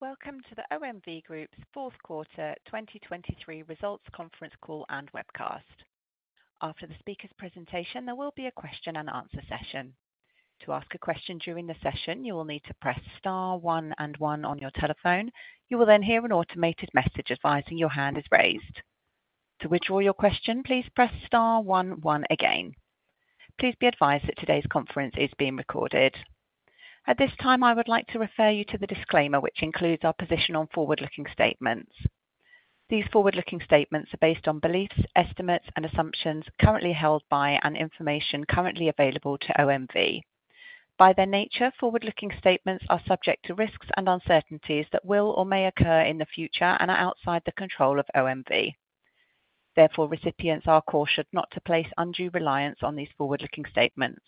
Welcome to the OMV Group's Fourth Quarter 2023 Results Conference Call and Webcast. After the speaker's presentation, there will be a question and answer session. To ask a question during the session, you will need to press star one and one on your telephone. You will then hear an automated message advising your hand is raised. To withdraw your question, please press star one one again. Please be advised that today's conference is being recorded. At this time, I would like to refer you to the disclaimer, which includes our position on forward-looking statements. These forward-looking statements are based on beliefs, estimates, and assumptions currently held by and information currently available to OMV. By their nature, forward-looking statements are subject to risks and uncertainties that will or may occur in the future and are outside the control of OMV.Therefore, recipients are cautioned not to place undue reliance on these forward-looking statements.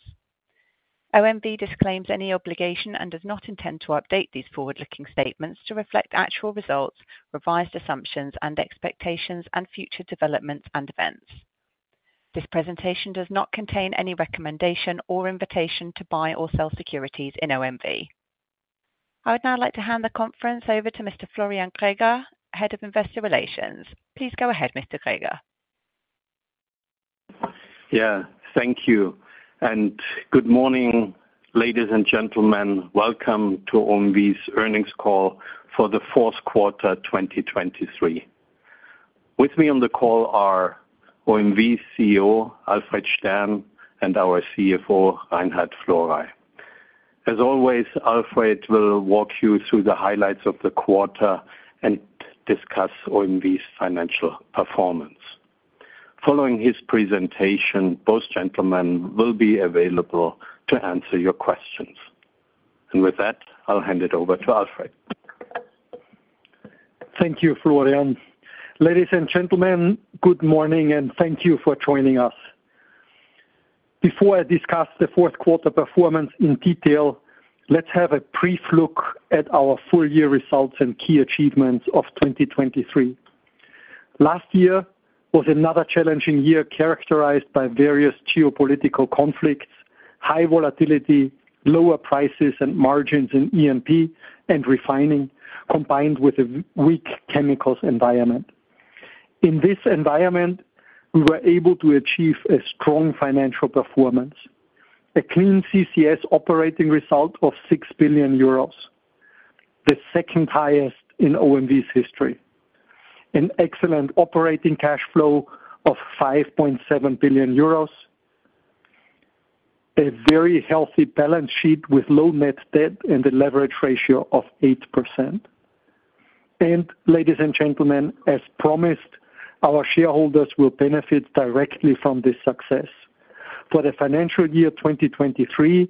OMV disclaims any obligation and does not intend to update these forward-looking statements to reflect actual results, revised assumptions, and expectations and future developments and events. This presentation does not contain any recommendation or invitation to buy or sell securities in OMV. I would now like to hand the conference over to Mr. Florian Greger, Head of Investor Relations. Please go ahead, Mr. Greger. Yeah, thank you, and good morning, ladies and gentlemen. Welcome to OMV's Earnings Call for the fourth quarter, 2023. With me on the call are OMV CEO, Alfred Stern, and our CFO, Reinhard Florey. As always, Alfred will walk you through the highlights of the quarter and discuss OMV's financial performance. Following his presentation, both gentlemen will be available to answer your questions. And with that, I'll hand it over to Alfred. Thank you, Florian. Ladies and gentlemen, good morning, and thank you for joining us. Before I discuss the fourth quarter performance in detail, let's have a brief look at our full-year results and key achievements of 2023. Last year was another challenging year, characterized by various geopolitical conflicts, high volatility, lower prices and margins in E&P and refining, combined with a weak chemicals environment. In this environment, we were able to achieve a strong financial performance, a clean CCS Operating Result of 6 billion euros, the second-highest in OMV's history, an excellent operating cash flow of 5.7 billion euros, a very healthy balance sheet with low net debt and a leverage ratio of 8%. And ladies and gentlemen, as promised, our shareholders will benefit directly from this success. For the financial year 2023,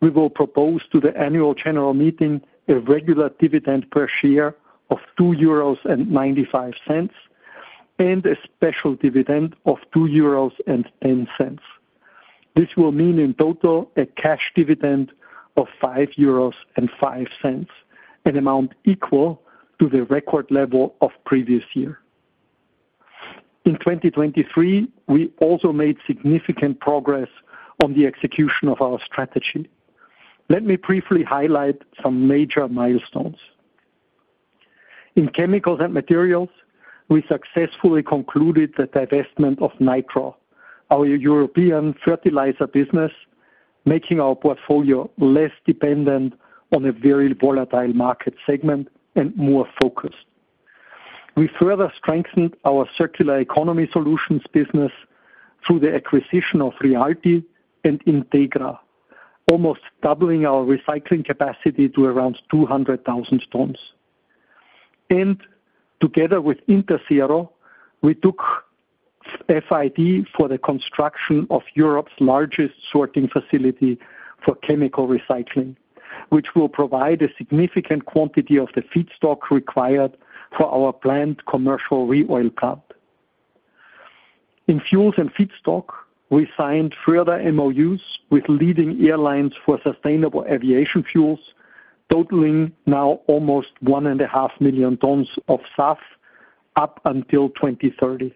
we will propose to the Annual General Meeting a regular dividend per share of 2.95 euros, and a special dividend of 2.10 euros. This will mean in total a cash dividend of 5.05 euros, an amount equal to the record level of previous year. In 2023, we also made significant progress on the execution of our strategy. Let me briefly highlight some major milestones. In chemicals and materials, we successfully concluded the divestment of NITRO, our European fertilizer business, making our portfolio less dependent on a very volatile market segment and more focused. We further strengthened our circular economy solutions business through the acquisition of Rialti and Integra, almost doubling our recycling capacity to around 200,000 tons. Together with Interzero, we took FID for the construction of Europe's largest sorting facility for chemical recycling, which will provide a significant quantity of the feedstock required for our planned commercial ReOil plant. In Fuels and Feedstock, we signed further MOUs with leading airlines for sustainable aviation fuels, totaling now almost 1.5 million tons of SAF up until 2030.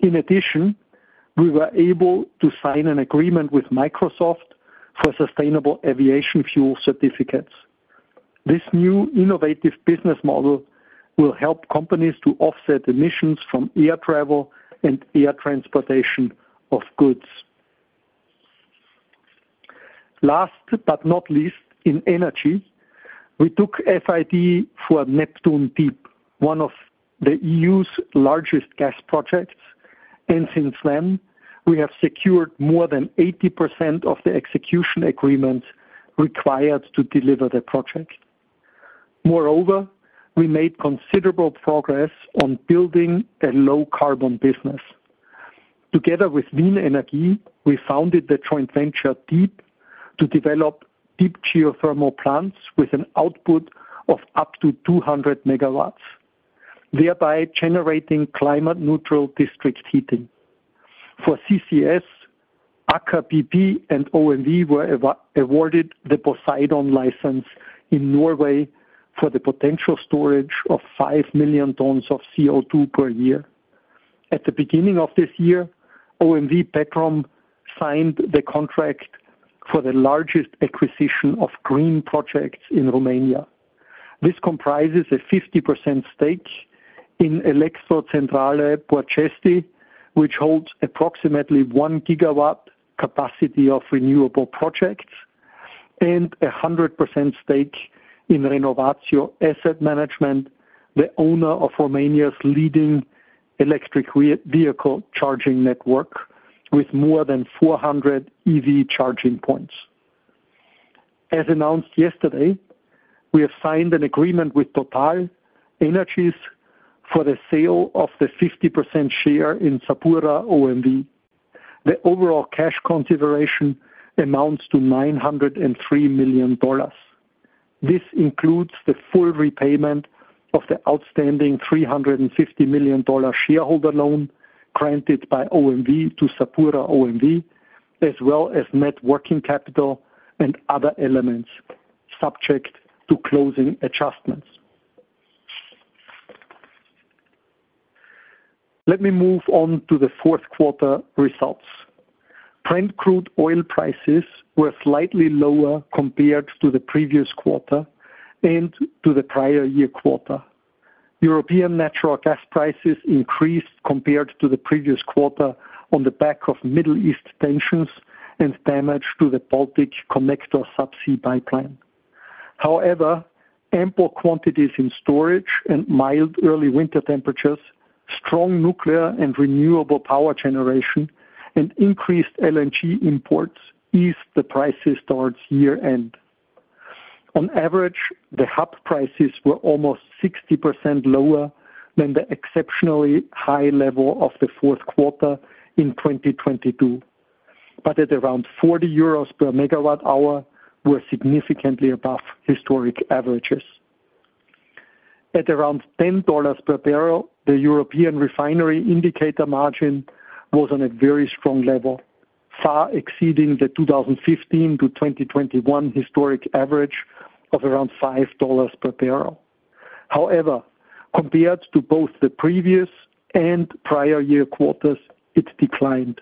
In addition, we were able to sign an agreement with Microsoft for Sustainable Aviation Fuel certificates. This new innovative business model will help companies to offset emissions from air travel and air transportation of goods. Last but not least, in Energy, we took FID for Neptune Deep, one of the EU's largest gas projects, and since then, we have secured more than 80% of the execution agreements required to deliver the project. Moreover, we made considerable progress on building a low-carbon business. Together with Wien Energie, we founded the joint venture deeep to develop deep geothermal plants with an output of up to 200 MW, thereby generating climate-neutral district heating. For CCS, Aker BP and OMV were awarded the Poseidon License in Norway for the potential storage of 5 million tons of CO2 per year. At the beginning of this year, OMV Petrom signed the contract for the largest acquisition of green projects in Romania. This comprises a 50% stake in Electrocentrale Borzești, which holds approximately 1 GW capacity of renewable projects, and a 100% stake in Renovatio Asset Management, the owner of Romania's leading electric vehicle charging network, with more than 400 EV charging points. As announced yesterday, we have signed an agreement with TotalEnergies for the sale of the 50% share in SapuraOMV. The overall cash consideration amounts to $903 million. This includes the full repayment of the outstanding $350 million shareholder loan granted by OMV to SapuraOMV, as well as net working capital and other elements, subject to closing adjustments. Let me move on to the fourth quarter results. Brent crude oil prices were slightly lower compared to the previous quarter and to the prior year quarter. European natural gas prices increased compared to the previous quarter on the back of Middle East tensions and damage to the Balticconnector subsea pipeline. However, ample quantities in storage and mild early winter temperatures, strong nuclear and renewable power generation, and increased LNG imports eased the prices towards year-end. On average, the hub prices were almost 60% lower than the exceptionally high level of the fourth quarter in 2022, but at around 40 euros per MWh, were significantly above historic averages. At around $10 per barrel, the European refinery indicator margin was on a very strong level, far exceeding the 2015-2021 historic average of around $5 per barrel. However, compared to both the previous and prior year quarters, it declined.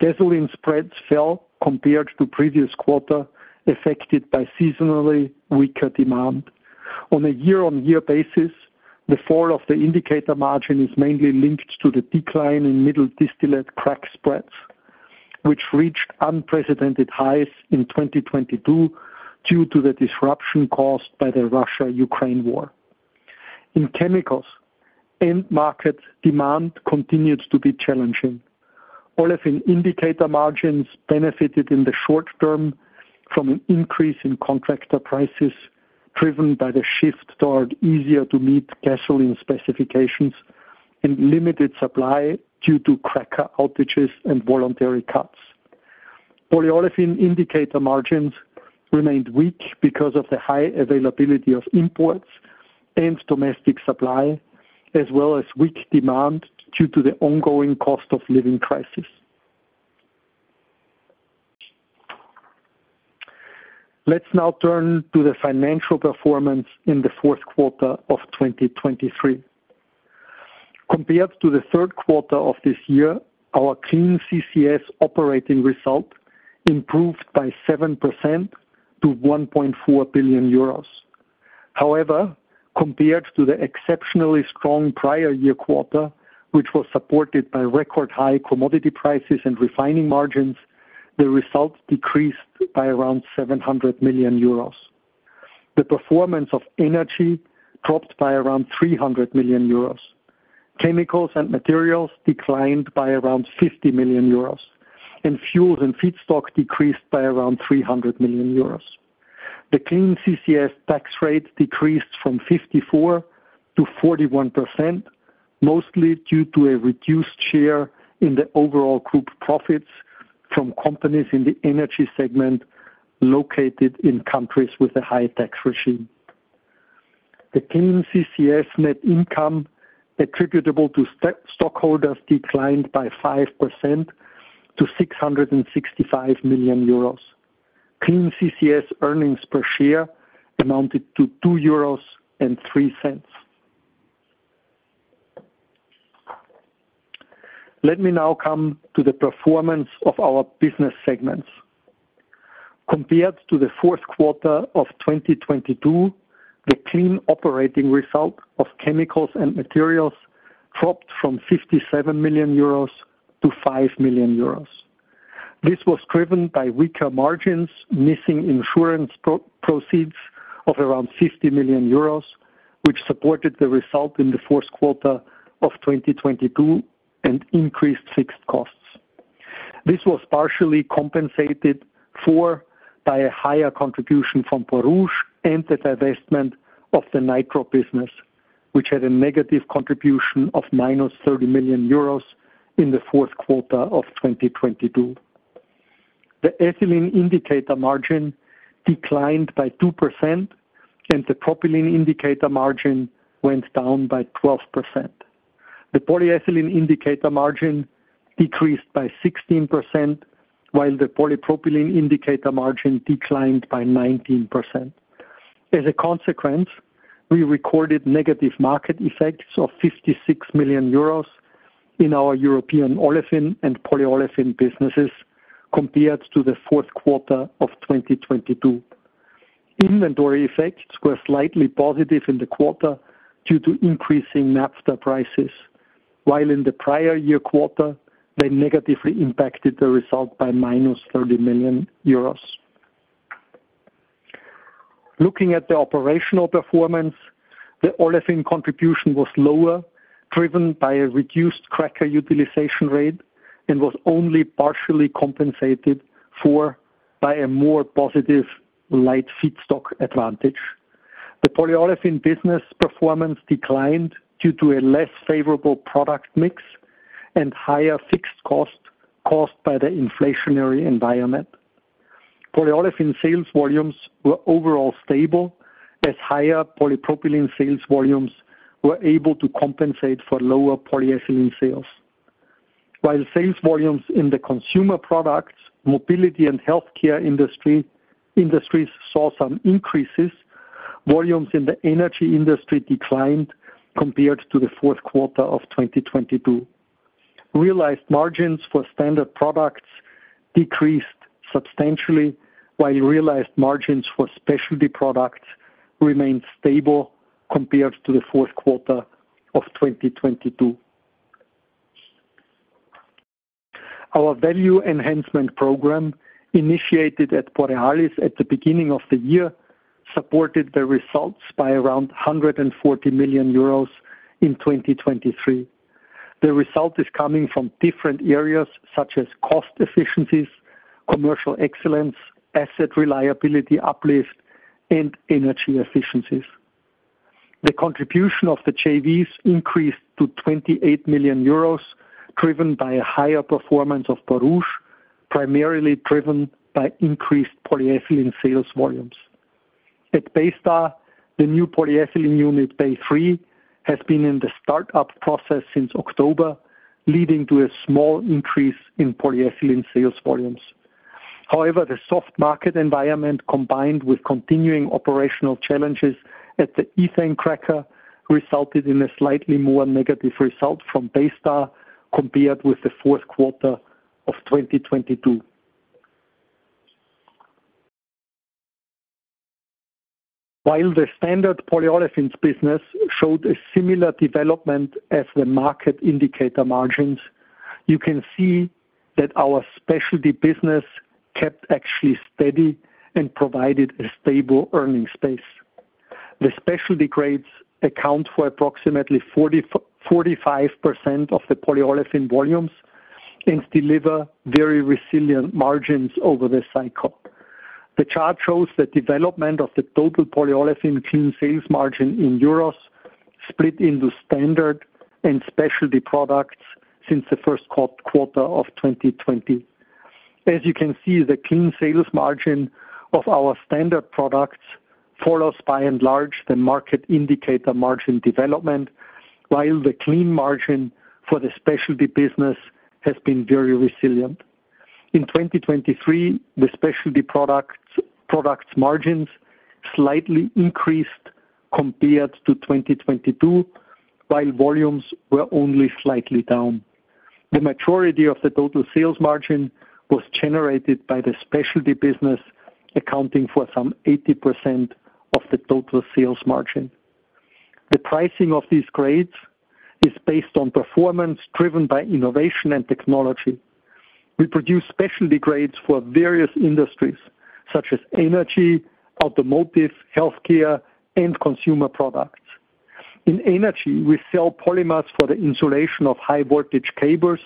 Gasoline spreads fell compared to previous quarter, affected by seasonally weaker demand. On a year-on-year basis, the fall of the indicator margin is mainly linked to the decline in middle distillate crack spreads, which reached unprecedented highs in 2022 due to the disruption caused by the Russia-Ukraine war. In chemicals, end market demand continues to be challenging. Olefin indicator margins benefited in the short term from an increase in contractor prices, driven by the shift toward easier-to-meet gasoline specifications and limited supply due to cracker outages and voluntary cuts. Polyolefin indicator margins remained weak because of the high availability of imports and domestic supply, as well as weak demand due to the ongoing cost of living crisis. Let's now turn to the financial performance in the fourth quarter of 2023. Compared to the third quarter of this year, our Clean CCS Operating Result improved by 7% to 1.4 billion euros. However, compared to the exceptionally strong prior year quarter, which was supported by record-high commodity prices and refining margins, the results decreased by around 700 million euros. The performance of Energy dropped by around 300 million euros. Chemicals and Materials declined by around 50 million euros, and Fuels and Feedstock decreased by around 300 million euros. The Clean CCS tax rate decreased from 54%-41%, mostly due to a reduced share in the overall group profits from companies in the Energy segment located in countries with a high tax regime. The Clean CCS net income attributable to stockholders declined by 5% to 665 million euros. Clean CCS Earnings Per Share amounted to 2.03 euros. Let me now come to the performance of our business segments. Compared to the fourth quarter of 2022, the clean Operating Result of Chemicals and Materials dropped from 57 million euros to 5 million euros. This was driven by weaker margins, missing insurance proceeds of around 50 million euros, which supported the result in the fourth quarter of 2022 and increased fixed costs. This was partially compensated for by a higher contribution from Borouge and the divestment of the NITRO business, which had a negative contribution of minus 30 million euros in the fourth quarter of 2022. The ethylene indicator margin declined by 2%, and the propylene indicator margin went down by 12%. The polyethylene indicator margin decreased by 16%, while the polypropylene indicator margin declined by 19%. As a consequence, we recorded negative market effects of 56 million euros in our European olefin and polyolefin businesses, compared to the fourth quarter of 2022. Inventory effects were slightly positive in the quarter due to increasing naphtha prices, while in the prior year quarter, they negatively impacted the result by minus 30 million euros. Looking at the operational performance, the olefin contribution was lower, driven by a reduced cracker utilization rate and was only partially compensated for by a more positive light feedstock advantage. The polyolefin business performance declined due to a less favorable product mix and higher fixed cost caused by the inflationary environment. Polyolefin sales volumes were overall stable, as higher polypropylene sales volumes were able to compensate for lower polyethylene sales. While sales volumes in the consumer products, mobility and healthcare industries saw some increases, volumes in the Energy industry declined compared to the fourth quarter of 2022. Realized margins for standard products decreased substantially, while realized margins for specialty products remained stable compared to the fourth quarter of 2022. Our value enhancement program, initiated at Borealis at the beginning of the year, supported the results by around 140 million euros in 2023. The result is coming from different areas such as cost efficiencies, commercial excellence, asset reliability, uplift, and energy efficiencies. The contribution of the JVs increased to 28 million euros, driven by a higher performance of Borouge, primarily driven by increased polyethylene sales volumes. At Baystar, the new polyethylene unit, Bay 3, has been in the startup process since October, leading to a small increase in polyethylene sales volumes. However, the soft market environment, combined with continuing operational challenges at the ethane cracker, resulted in a slightly more negative result from Baystar compared with the fourth quarter of 2022. While the standard polyolefins business showed a similar development as the market indicator margins, you can see that our specialty business kept actually steady and provided a stable earning space. The specialty grades account for approximately 45% of the polyolefin volumes and deliver very resilient margins over the cycle. The chart shows the development of the total polyolefin clean sales margin in Europe, split into standard and specialty products since the first quarter of 2020. As you can see, the clean sales margin of our standard products follows, by and large, the market indicator margin development, while the clean margin for the specialty business has been very resilient. In 2023, the specialty products margins slightly increased compared to 2022, while volumes were only slightly down. The maturity of the total sales margin was generated by the specialty business, accounting for some 80% of the total sales margin. The pricing of these grades is based on performance, driven by innovation and technology. We produce specialty grades for various industries such as energy, automotive, healthcare, and consumer products. In Energy, we sell polymers for the insulation of high-voltage cables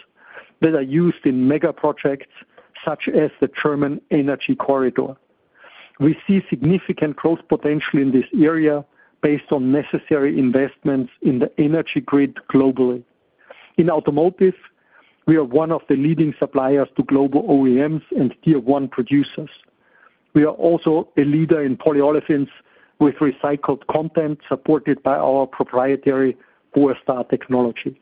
that are used in mega projects such as the German Energy Corridor. We see significant growth potential in this area based on necessary investments in the energy grid globally. In automotive, we are one of the leading suppliers to global OEMs and Tier One producers. We are also a leader in polyolefins with recycled content, supported by our proprietary Borstar technology.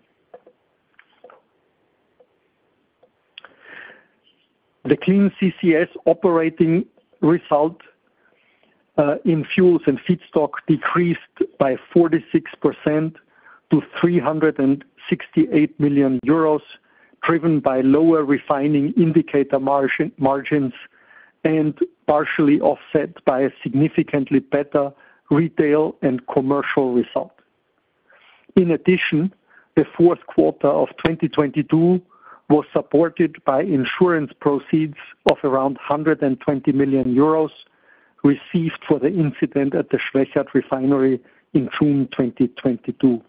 The clean CCS operating result in Fuels and Feedstock decreased by 46% to 368 million euros, driven by lower refining indicator margins, and partially offset by a significantly better retail and commercial result. In addition, the fourth quarter of 2022 was supported by insurance proceeds of around 120 million euros, received for the incident at the Schwechat refinery in June 2022.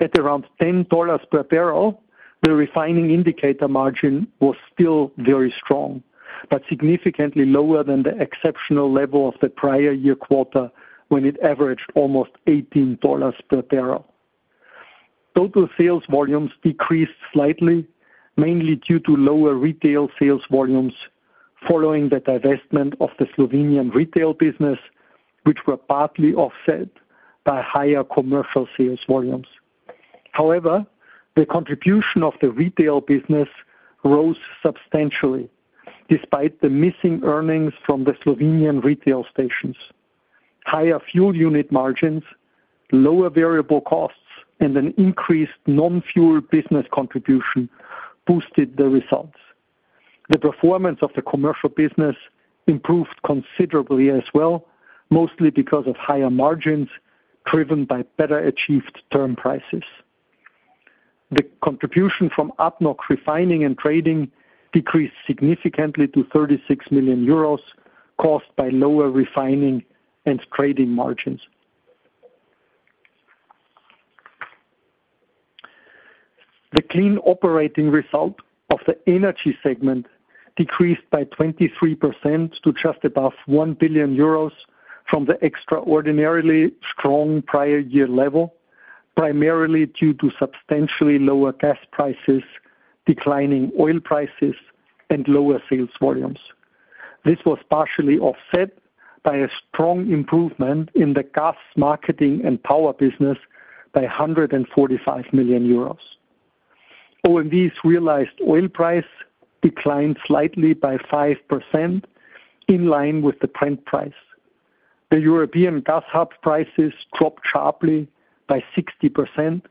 At around $10 per barrel, the refining indicator margin was still very strong, but significantly lower than the exceptional level of the prior year quarter, when it averaged almost $18 per barrel. Total sales volumes decreased slightly, mainly due to lower retail sales volumes following the divestment of the Slovenian retail business, which were partly offset by higher commercial sales volumes. However, the contribution of the retail business rose substantially, despite the missing earnings from the Slovenian retail stations. Higher fuel unit margins, lower variable costs, and an increased non-fuel business contribution boosted the results. The performance of the commercial business improved considerably as well, mostly because of higher margins, driven by better achieved term prices. The contribution from refining and trading decreased significantly to 36 million euros, caused by lower refining and trading margins. The clean operating result of the Energy segment decreased by 23% to just above 1 billion euros from the extraordinarily strong prior year level, primarily due to substantially lower gas prices, declining oil prices, and lower sales volumes. This was partially offset by a strong improvement in the gas marketing and power business by 145 million euros. OMV's realized oil price declined slightly by 5% in line with the trend price. The European gas hub prices dropped sharply by 60%,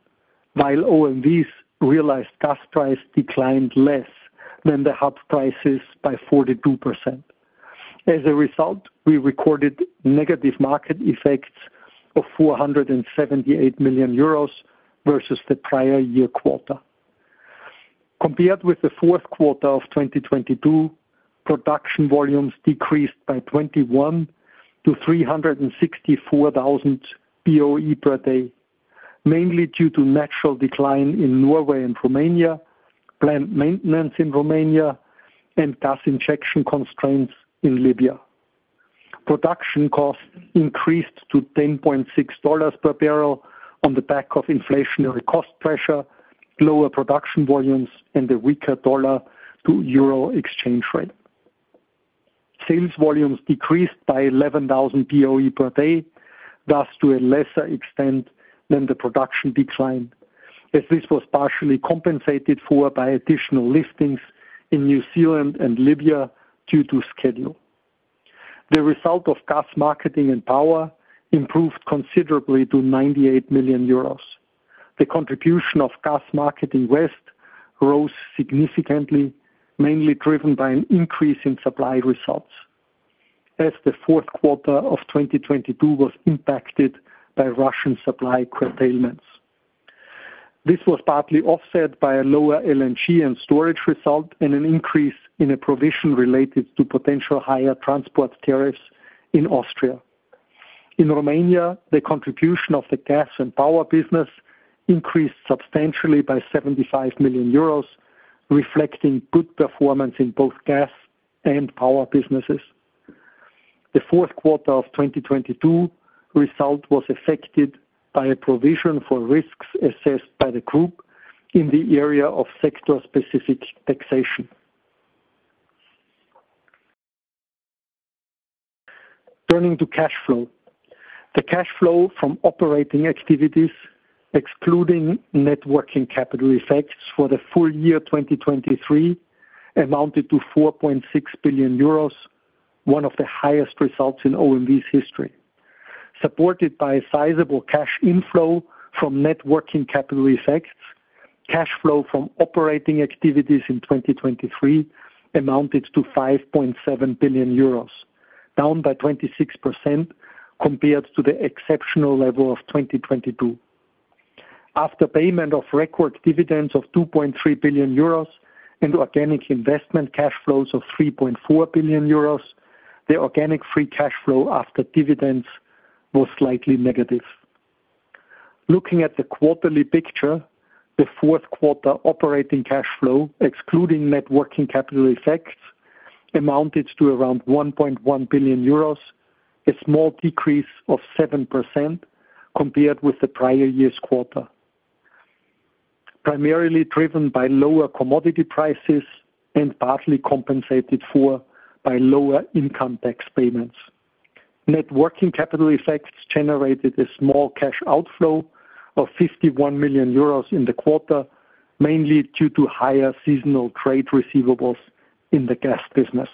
while OMV's realized gas price declined less than the hub prices by 42%. As a result, we recorded negative market effects of 478 million euros versus the prior year quarter. Compared with the fourth quarter of 2022, production volumes decreased by 21 to 364,000 boe/d, mainly due to natural decline in Norway and Romania, plant maintenance in Romania, and gas injection constraints in Libya. Production costs increased to $10.6 per barrel on the back of inflationary cost pressure, lower production volumes, and the weaker dollar to euro exchange rate. Sales volumes decreased by 11,000 boe/d, thus to a lesser extent than the production decline, as this was partially compensated for by additional listings in New Zealand and Libya due to schedule. The result of gas marketing and power improved considerably to 98 million euros. The contribution of gas marketing West rose significantly, mainly driven by an increase in supply results, as the fourth quarter of 2022 was impacted by Russian supply curtailments. This was partly offset by a lower LNG and storage result and an increase in a provision related to potential higher transport tariffs in Austria. In Romania, the contribution of the gas and power business increased substantially by 75 million euros, reflecting good performance in both gas and power businesses. The fourth quarter of 2022 result was affected by a provision for risks assessed by the group in the area of sector-specific taxation. Turning to cash flow. The cash flow from operating activities, excluding net working capital effects for the full year 2023, amounted to 4.6 billion euros, one of the highest results in OMV's history. Supported by a sizable cash inflow from net working capital effects, cash flow from operating activities in 2023 amounted to 5.7 billion euros, down by 26% compared to the exceptional level of 2022. After payment of record dividends of 2.3 billion euros and organic investment cash flows of 3.4 billion euros, the organic free cash flow after dividends was slightly negative. Looking at the quarterly picture, the fourth quarter operating cash flow, excluding net working capital effects, amounted to around 1.1 billion euros, a small decrease of 7% compared with the prior year's quarter. Primarily driven by lower commodity prices and partly compensated for by lower income tax payments. Net working capital effects generated a small cash outflow of 51 million euros in the quarter, mainly due to higher seasonal trade receivables in the gas business.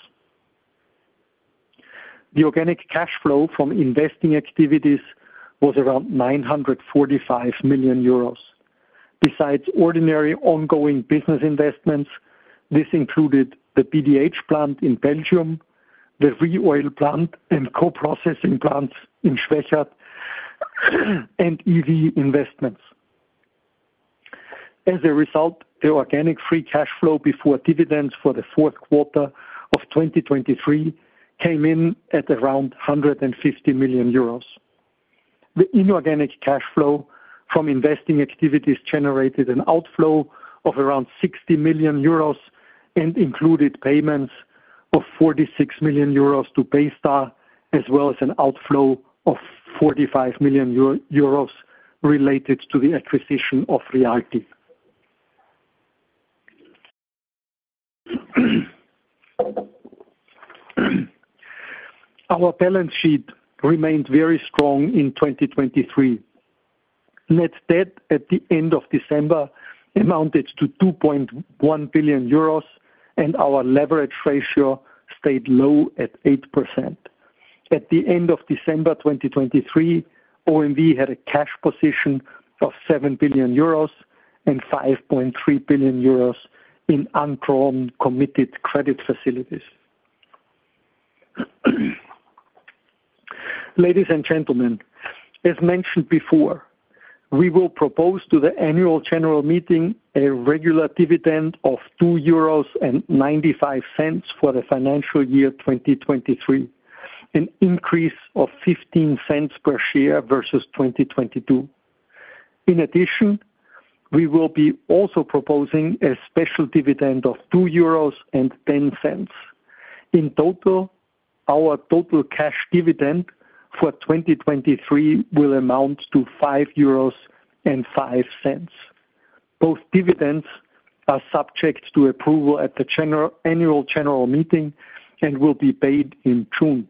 The organic cash flow from investing activities was around 945 million euros. Besides ordinary ongoing business investments, this included the PDH plant in Belgium, the ReOil plant and co-processing plants in Schwechat, and EV investments. As a result, the organic free cash flow before dividends for the fourth quarter of 2023 came in at around 150 million euros. The inorganic cash flow from investing activities generated an outflow of around 60 million euros and included payments of 46 million euros to Baystar, as well as an outflow of 45 million euros related to the acquisition of Rialti. Our balance sheet remained very strong in 2023. Net debt at the end of December amounted to 2.1 billion euros, and our leverage ratio stayed low at 8%. At the end of December 2023, OMV had a cash position of 7 billion euros and 5.3 billion euros in undrawn committed credit facilities. Ladies and gentlemen, as mentioned before, we will propose to the annual general meeting a regular dividend of 2.95 euros for the financial year 2023, an increase of 0.15 per share versus 2022. In addition, we will be also proposing a special dividend of 2.10 euros. In total, our total cash dividend for 2023 will amount to 5.05 euros. Both dividends are subject to approval at the annual general meeting and will be paid in June.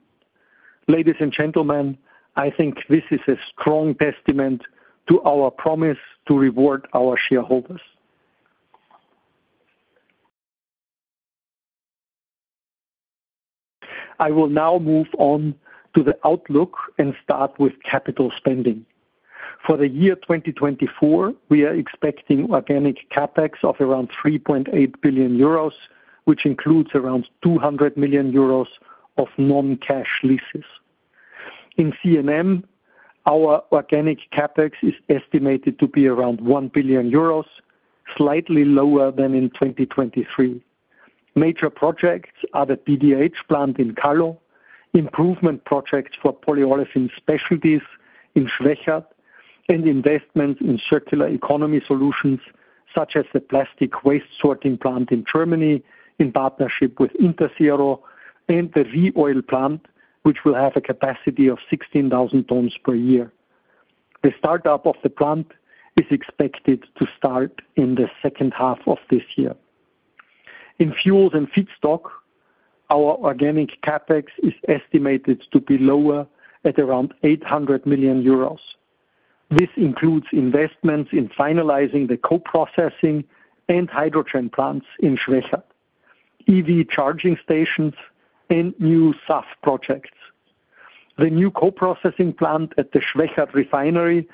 Ladies and gentlemen, I think this is a strong testament to our promise to reward our shareholders. I will now move on to the outlook and start with capital spending. For the year 2024, we are expecting organic CapEx of around 3.8 billion euros, which includes around 200 million euros of non-cash leases. In C&M, our organic CapEx is estimated to be around 1 billion euros, slightly lower than in 2023. Major projects are the PDH plant in Kallo, improvement projects for polyolefin specialties in Schwechat, and investments in circular economy solutions, such as the plastic waste sorting plant in Germany, in partnership with Interzero, and the ReOil plant, which will have a capacity of 16,000 tons per year. The startup of the plant is expected to start in the second half of this year. In Fuels and Feedstock, our organic CapEx is estimated to be lower at around 800 million euros. This includes investments in finalizing the co-processing and hydrogen plants in Schwechat, EV charging stations, and new SAF projects. The new co-processing plant at the Schwechat refinery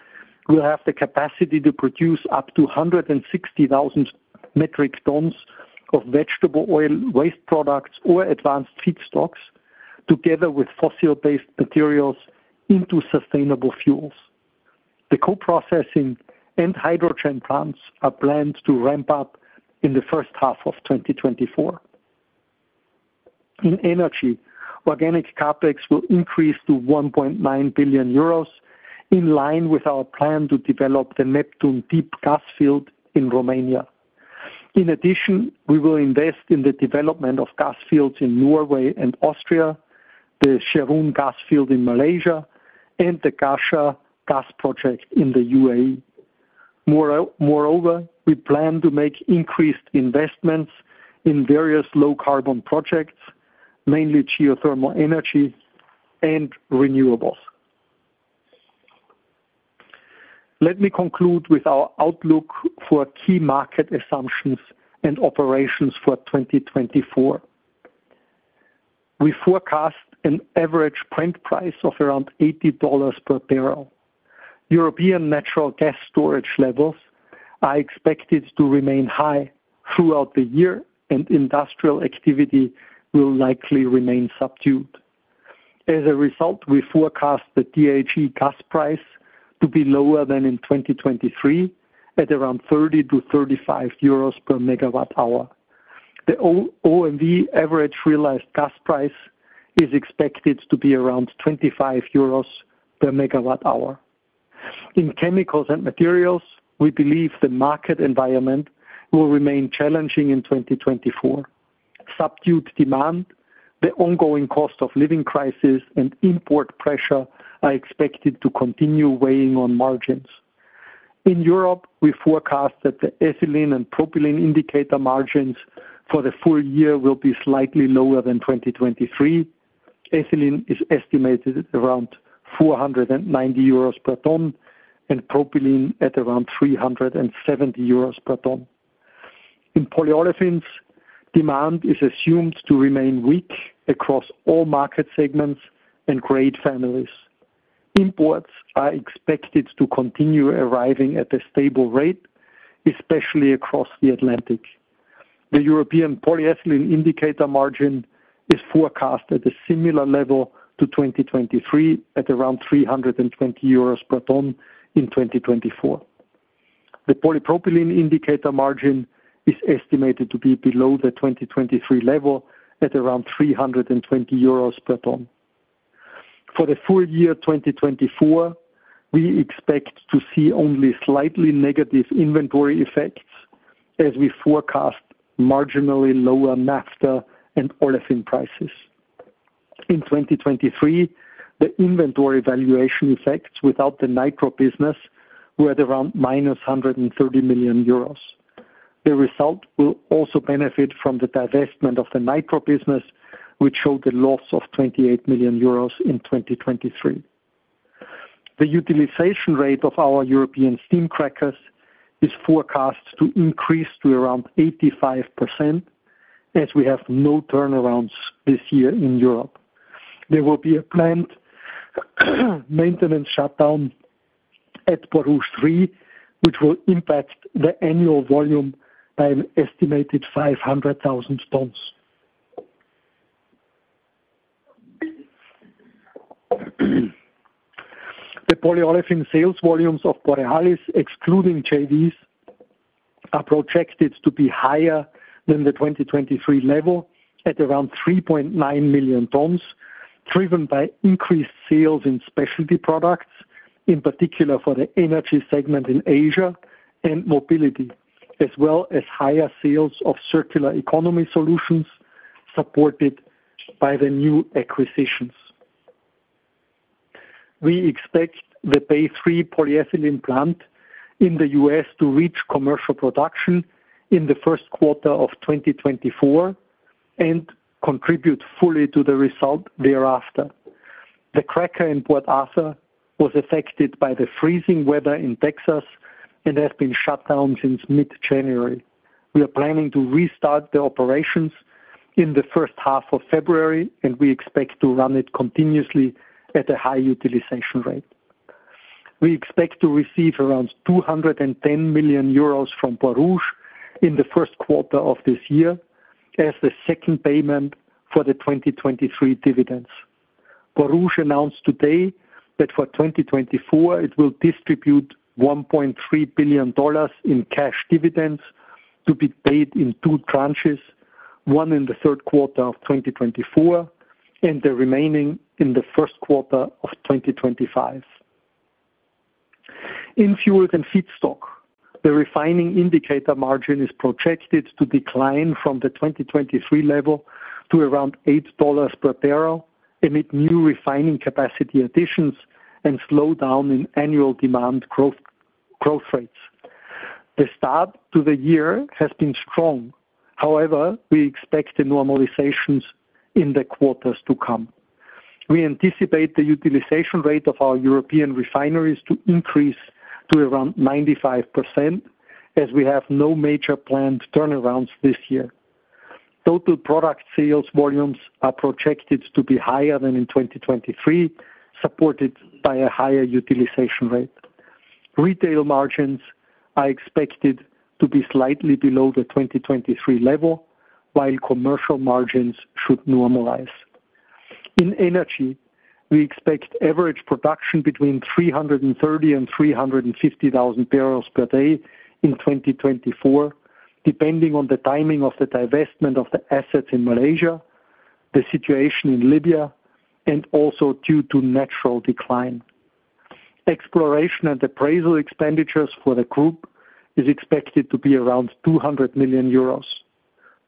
will have the capacity to produce up to 160,000 metric tons of vegetable oil, waste products, or advanced feedstocks, together with fossil-based materials into sustainable fuels. The co-processing and hydrogen plants are planned to ramp up in the first half of 2024. In Energy, organic CapEx will increase to 1.9 billion euros, in line with our plan to develop the Neptune Deep gas field in Romania. In addition, we will invest in the development of gas fields in Norway and Austria, the Jerun gas field in Malaysia, and the Ghasha gas project in the UAE. Moreover, we plan to make increased investments in various low-carbon projects, mainly geothermal energy and renewables. Let me conclude with our outlook for key market assumptions and operations for 2024. We forecast an average Brent price of around $80 per barrel. European natural gas storage levels are expected to remain high throughout the year, and industrial activity will likely remain subdued. As a result, we forecast the THE gas price to be lower than in 2023, at around 30-35 euros per MWh. The OMV average realized gas price is expected to be around 25 euros per MWh. In chemicals and materials, we believe the market environment will remain challenging in 2024. Subdued demand, the ongoing cost of living crisis, and import pressure are expected to continue weighing on margins. In Europe, we forecast that the ethylene and propylene indicator margins for the full year will be slightly lower than 2023. Ethylene is estimated at around 490 euros per ton, and propylene at around 370 euros per ton. In polyolefins, demand is assumed to remain weak across all market segments and grade families. Imports are expected to continue arriving at a stable rate, especially across the Atlantic. The European polyethylene indicator margin is forecast at a similar level to 2023, at around 320 euros per ton in 2024. The polypropylene indicator margin is estimated to be below the 2023 level, at around 320 euros per ton. For the full year 2024, we expect to see only slightly negative inventory effects as we forecast marginally lower naphtha and olefin prices. In 2023, the inventory valuation effects without the NITRO business were at around -130 million euros. The result will also benefit from the divestment of the NITRO business, which showed a loss of 28 million euros in 2023. The utilization rate of our European steam crackers is forecast to increase to around 85%, as we have no turnarounds this year in Europe. There will be a planned maintenance shutdown at Borouge 3, which will impact the annual volume by an estimated 500,000 tons. The polyolefin sales volumes of Borealis, excluding JVs, are projected to be higher than the 2023 level at around 3.9 million tons, driven by increased sales in specialty products, in particular for the Energy segment in Asia and mobility, as well as higher sales of circular economy solutions supported by the new acquisitions. We expect the Bay 3 polyethylene plant in the U.S. to reach commercial production in the first quarter of 2024 and contribute fully to the result thereafter. The cracker in Port Arthur was affected by the freezing weather in Texas and has been shut down since mid-January. We are planning to restart the operations in the first half of February, and we expect to run it continuously at a high utilization rate. We expect to receive around 210 million euros from Borouge in the first quarter of this year as the second payment for the 2023 dividends. Borouge announced today that for 2024, it will distribute $1.3 billion in cash dividends to be paid in two tranches, one in the third quarter of 2024 and the remaining in the first quarter of 2025. In Fuel and Feedstock, the refining indicator margin is projected to decline from the 2023 level to around $8 per barrel, amid new refining capacity additions and slowdown in annual demand growth, growth rates. The start to the year has been strong. However, we expect the normalizations in the quarters to come. We anticipate the utilization rate of our European refineries to increase to around 95%, as we have no major planned turnarounds this year. Total product sales volumes are projected to be higher than in 2023, supported by a higher utilization rate. Retail margins are expected to be slightly below the 2023 level, while commercial margins should normalize. In Energy, we expect average production between 330 and 350 thousand barrels per day in 2024, depending on the timing of the divestment of the assets in Malaysia, the situation in Libya, and also due to natural decline. Exploration and appraisal expenditures for the group is expected to be around 200 million euros.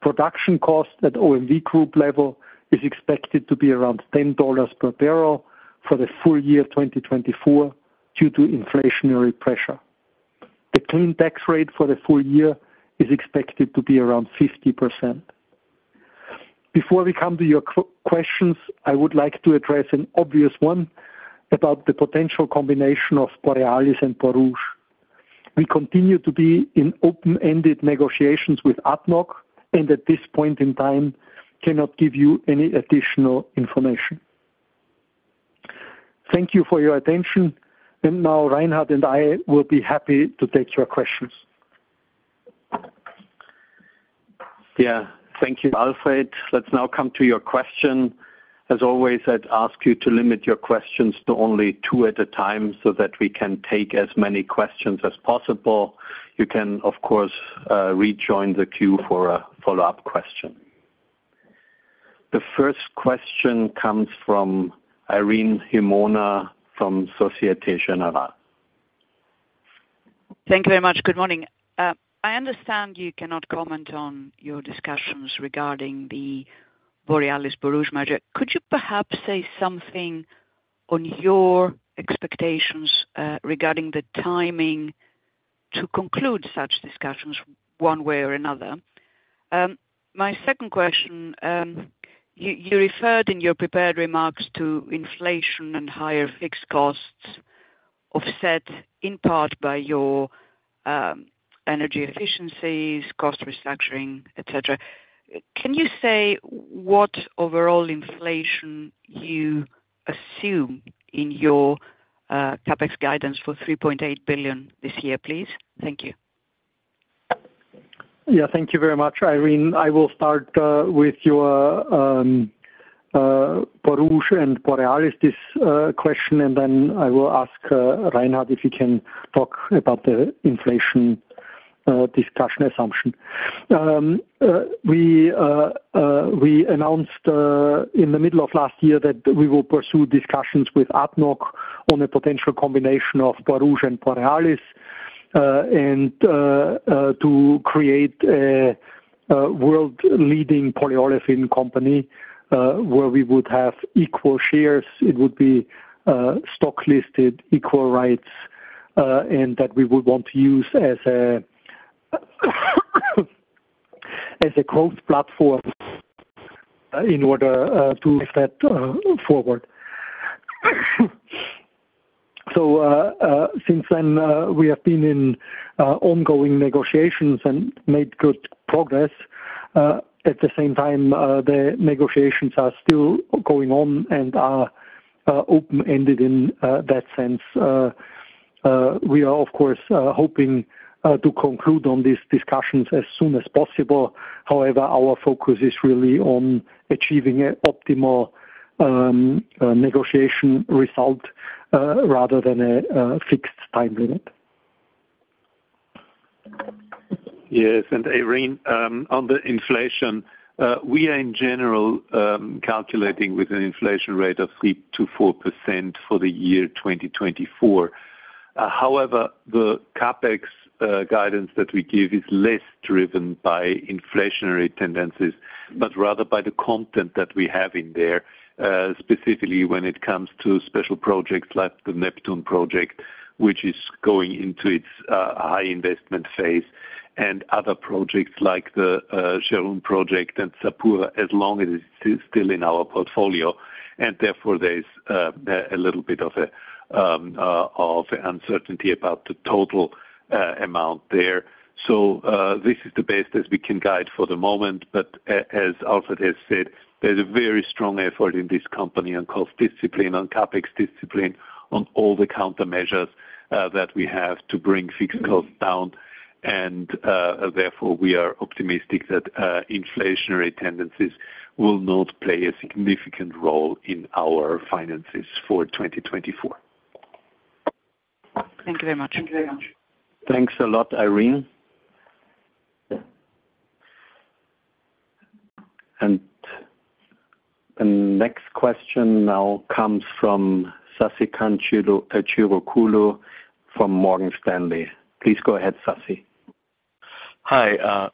Production costs at OMV Group level is expected to be around $10 per barrel for the full year of 2024 due to inflationary pressure. The clean tax rate for the full year is expected to be around 50%. Before we come to your questions, I would like to address an obvious one about the potential combination of Borealis and Borouge. We continue to be in open-ended negotiations with ADNOC, and at this point in time, cannot give you any additional information. Thank you for your attention. And now Reinhard and I will be happy to take your questions. Yeah. Thank you, Alfred. Let's now come to your question. As always, I'd ask you to limit your questions to only two at a time, so that we can take as many questions as possible. You can, of course, rejoin the queue for a follow-up question. The first question comes from Irene Himona from Société Générale. Thank you very much. Good morning. I understand you cannot comment on your discussions regarding the Borealis-Borouge merger. Could you perhaps say something on your expectations regarding the timing to conclude such discussions one way or another? My second question, you referred in your prepared remarks to inflation and higher fixed costs, offset in part by your Energy efficiencies, cost restructuring, et cetera. Can you say what overall inflation you assume in your CapEx guidance for 3.8 billion this year, please? Thank you. Yeah, thank you very much, Irene. I will start with your Borouge and Borealis, this question, and then I will ask Reinhard, if you can talk about the inflation discussion assumption. We announced in the middle of last year that we will pursue discussions with ADNOC on a potential combination of Borouge and Borealis, and to create world-leading polyolefin company, where we would have equal shares. It would be stock listed, equal rights, and that we would want to use as a growth platform in order to move that forward. So, since then, we have been in ongoing negotiations and made good progress. At the same time, the negotiations are still going on and are open-ended in that sense. We are of course hoping to conclude on these discussions as soon as possible. However, our focus is really on achieving an optimal negotiation result rather than a fixed time limit. Yes, and Irene, on the inflation, we are in general calculating with an inflation rate of 3%-4% for the year 2024. However, the CapEx guidance that we give is less driven by inflationary tendencies, but rather by the content that we have in there, specifically when it comes to special projects like the Neptune project, which is going into its high investment phase, and other projects like the Jerun project and Sapura, as long as it's still in our portfolio. Therefore, there's a little bit of uncertainty about the total amount there. This is the best as we can guide for the moment, but as Alfred has said, there's a very strong effort in this company on cost discipline, on CapEx discipline, on all the countermeasures that we have to bring fixed costs down. Therefore, we are optimistic that inflationary tendencies will not play a significant role in our finances for 2024. Thank you very much. Thank you very much. Thanks a lot, Irene. And the next question now comes from Sasikanth Chilukuru from Morgan Stanley. Please go ahead, Sasi. Hi,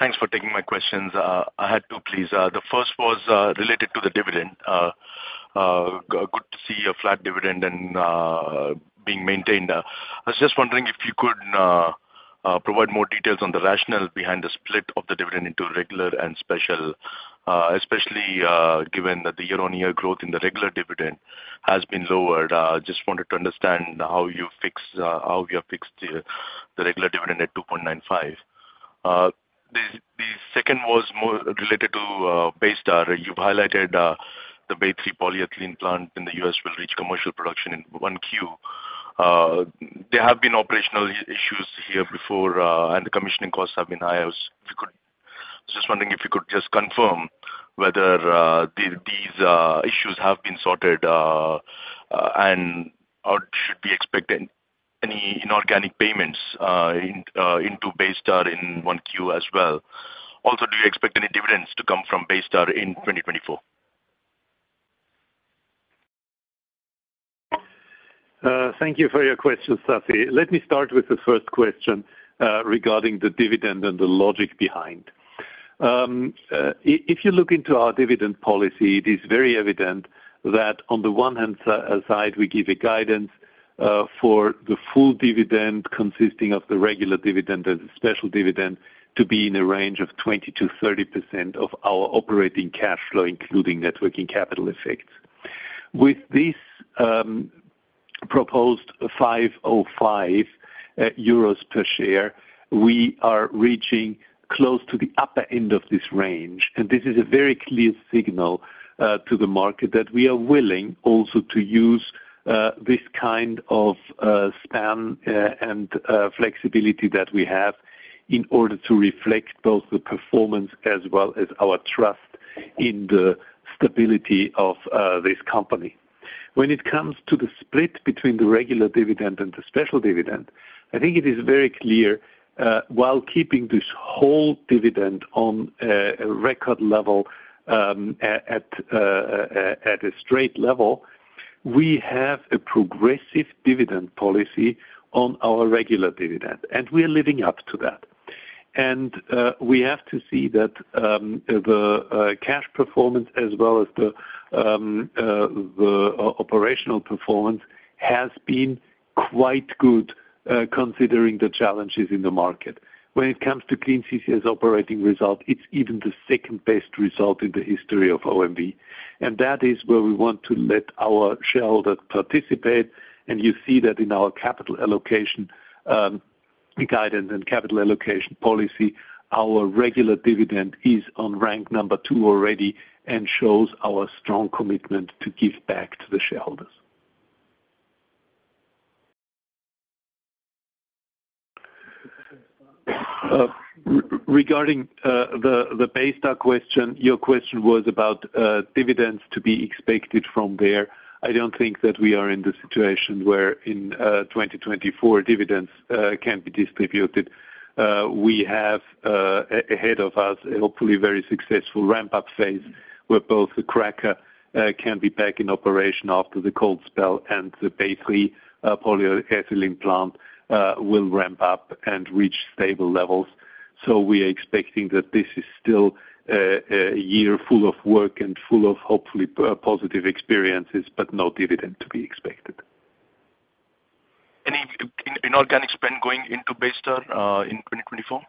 thanks for taking my questions. I had two, please. The first was related to the dividend. Good to see a flat dividend and being maintained. I was just wondering if you could provide more details on the rationale behind the split of the dividend into regular and special, especially given that the year-on-year growth in the regular dividend has been lowered. Just wanted to understand how you fix, how you have fixed the regular dividend at 2.95? The second was more related to Baystar. You've highlighted the Bay 3 polyethylene plant in the U.S. will reach commercial production in 1Q. There have been operational issues here before, and the commissioning costs have been high. I was just wondering if you could just confirm whether these issues have been sorted, and or should we expect any inorganic payments into Baystar in 1Q as well? Also, do you expect any dividends to come from Baystar in 2024? Thank you for your question, Sasi. Let me start with the first question regarding the dividend and the logic behind. If you look into our dividend policy, it is very evident that on the one hand side, we give a guidance for the full dividend, consisting of the regular dividend and the special dividend, to be in a range of 20%-30% of our operating cash flow, including net working capital effects. With this proposed 505 euros per share, we are reaching close to the upper end of this range. This is a very clear signal to the market that we are willing also to use this kind of span and flexibility that we have in order to reflect both the performance as well as our trust in the stability of this company. When it comes to the split between the regular dividend and the special dividend, I think it is very clear while keeping this whole dividend on a record level at a straight level we have a progressive dividend policy on our regular dividend, and we are living up to that. We have to see that the cash performance as well as the operational performance has been quite good considering the challenges in the market. When it comes to Clean CCS Operating Result, it's even the second-best result in the history of OMV, and that is where we want to let our shareholder participate. And you see that in our capital allocation guidance and capital allocation policy, our regular dividend is on rank number 2 already and shows our strong commitment to give back to the shareholders. Regarding the Baystar question, your question was about dividends to be expected from there. I don't think that we are in the situation where in 2024 dividends can be distributed. We have ahead of us, hopefully very successful ramp-up phase, where both the cracker can be back in operation after the cold spell, and the Bay 3 polyethylene plant will ramp up and reach stable levels. So we are expecting that this is still a year full of work and full of hopefully positive experiences, but no dividend to be expected. Any inorganic spend going into Baystar in 2024?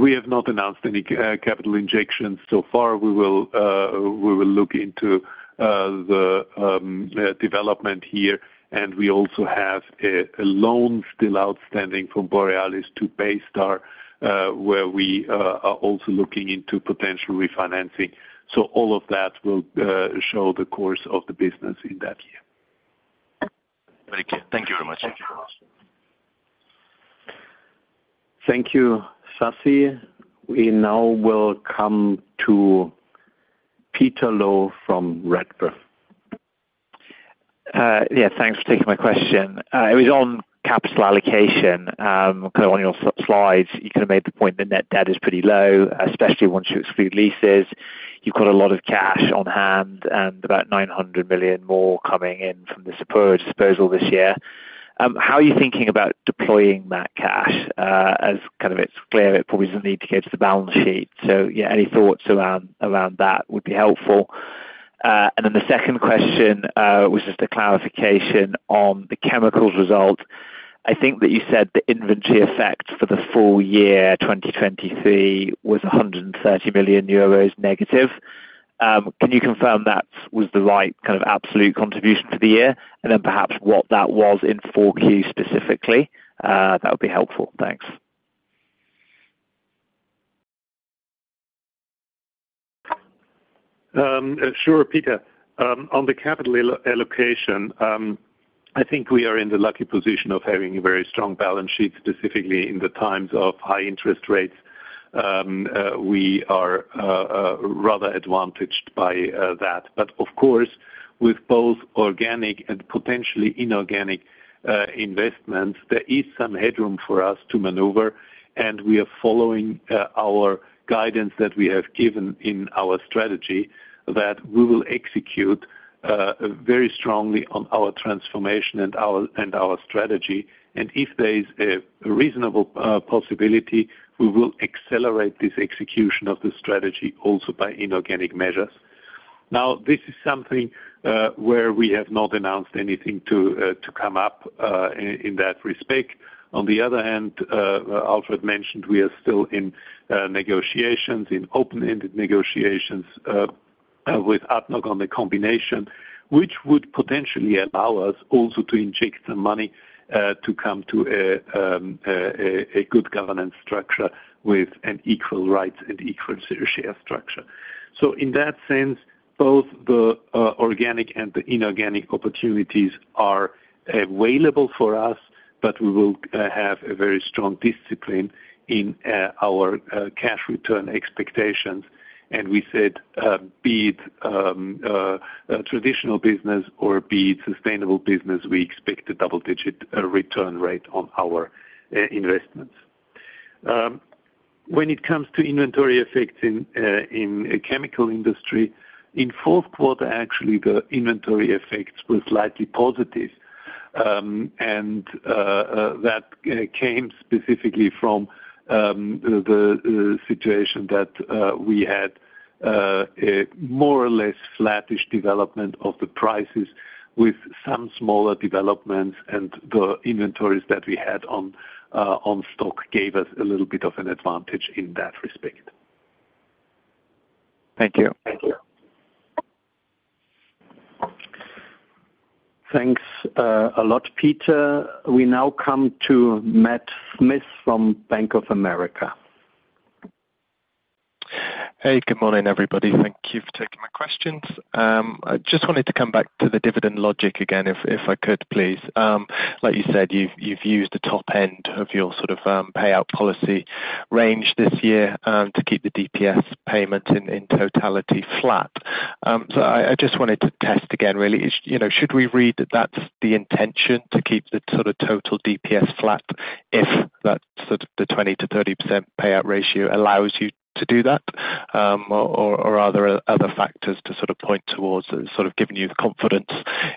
We have not announced any capital injections so far. We will look into the development here, and we also have a loan still outstanding from Borealis to Baystar, where we are also looking into potential refinancing. So all of that will show the course of the business in that year. Thank you. Thank you very much. Thank you, Sasi. We now will come to Peter Low from Redburn. Yeah, thanks for taking my question. It was on capital allocation. Kind of on your slides, you kind of made the point that net debt is pretty low, especially once you exclude leases. You've got a lot of cash on hand and about 900 million more coming in from the Sapura disposal this year. How are you thinking about deploying that cash? As kind of it's clear, it probably doesn't need to go to the balance sheet. So yeah, any thoughts around that would be helpful. And then the second question was just a clarification on the chemicals result. I think that you said the inventory effect for the full year, 2023, was -130 million euros. Can you confirm that was the right kind of absolute contribution for the year, and then perhaps what that was in Q4 specifically? That would be helpful. Thanks. Sure, Peter. On the capital allocation, I think we are in the lucky position of having a very strong balance sheet, specifically in the times of high interest rates. We are rather advantaged by that. But of course, with both organic and potentially inorganic investments, there is some headroom for us to maneuver, and we are following our guidance that we have given in our strategy, that we will execute very strongly on our transformation and our strategy. And if there is a reasonable possibility, we will accelerate this execution of the strategy also by inorganic measures. Now, this is something where we have not announced anything to come up in that respect. On the other hand, Alfred mentioned, we are still in negotiations, in open-ended negotiations, with ADNOC on the combination, which would potentially allow us also to inject some money, to come to a good governance structure with an equal rights and equal share structure. So in that sense, both the organic and the inorganic opportunities are available for us, but we will have a very strong discipline in our cash return expectations. And we said, be it a traditional business or be it sustainable business, we expect a double-digit return rate on our investments. When it comes to inventory effects in chemical industry, in fourth quarter, actually, the inventory effects were slightly positive. That came specifically from the situation that we had, a more or less flattish development of the prices with some smaller developments, and the inventories that we had on stock gave us a little bit of an advantage in that respect. Thank you. Thank you. Thanks, a lot, Peter. We now come to Matt Smith from Bank of America. Hey, good morning, everybody. Thank you for taking my questions. I just wanted to come back to the dividend logic again, if I could, please. Like you said, you've used the top end of your sort of payout policy range this year to keep the DPS payment in totality flat. So I just wanted to test again, really. You know, should we read that that's the intention to keep the sort of total DPS flat if that's sort of the 20%-30% payout ratio allows you to do that? Or are there other factors to sort of point towards sort of giving you the confidence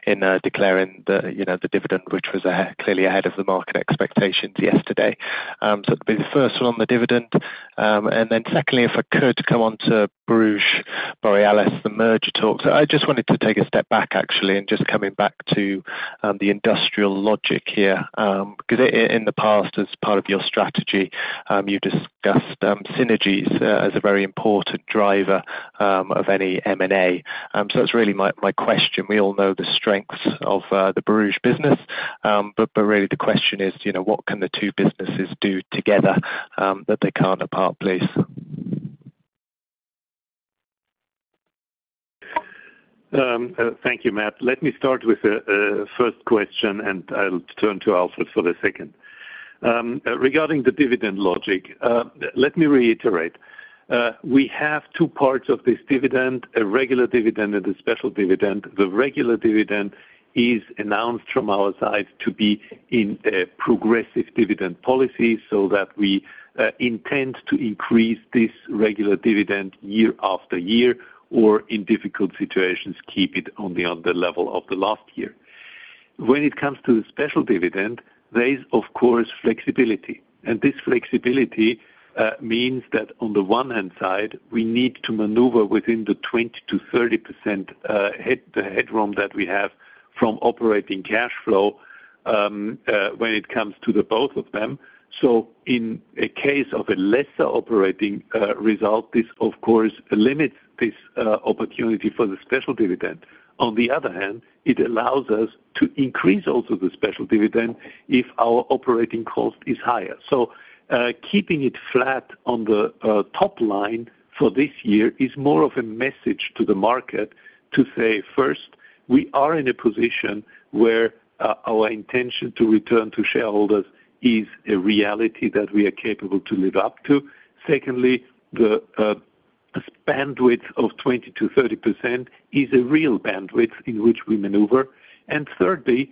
in declaring the, you know, the dividend, which was clearly ahead of the market expectations yesterday? So the first one on the dividend. And then secondly, if I could come on to Borouge-Borealis, the merger talks. I just wanted to take a step back, actually, and just coming back to, the industrial logic here- in the past, as part of your strategy, you discussed, synergies, as a very important driver, of any M&A. So that's really my, my question. We all know the strengths of, the Borouge business, but, really the question is, you know, what can the two businesses do together, that they can't apart, please? Thank you, Matt. Let me start with the first question, and I'll turn to Alfred for the second. Regarding the dividend logic, let me reiterate. We have two parts of this dividend: a regular dividend and a special dividend. The regular dividend is announced from our side to be in a progressive dividend policy, so that we intend to increase this regular dividend year after year, or in difficult situations, keep it on the level of the last year. When it comes to the special dividend, there is, of course, flexibility. And this flexibility means that on the one hand side, we need to maneuver within the 20%-30% headroom that we have from operating cash flow, when it comes to both of them. So in a case of a lesser operating result, this of course limits this opportunity for the special dividend. On the other hand, it allows us to increase also the special dividend if our operating cost is higher. So, keeping it flat on the top line for this year is more of a message to the market to say, first, we are in a position where our intention to return to shareholders is a reality that we are capable to live up to. Secondly, the bandwidth of 20%-30% is a real bandwidth in which we maneuver. And thirdly,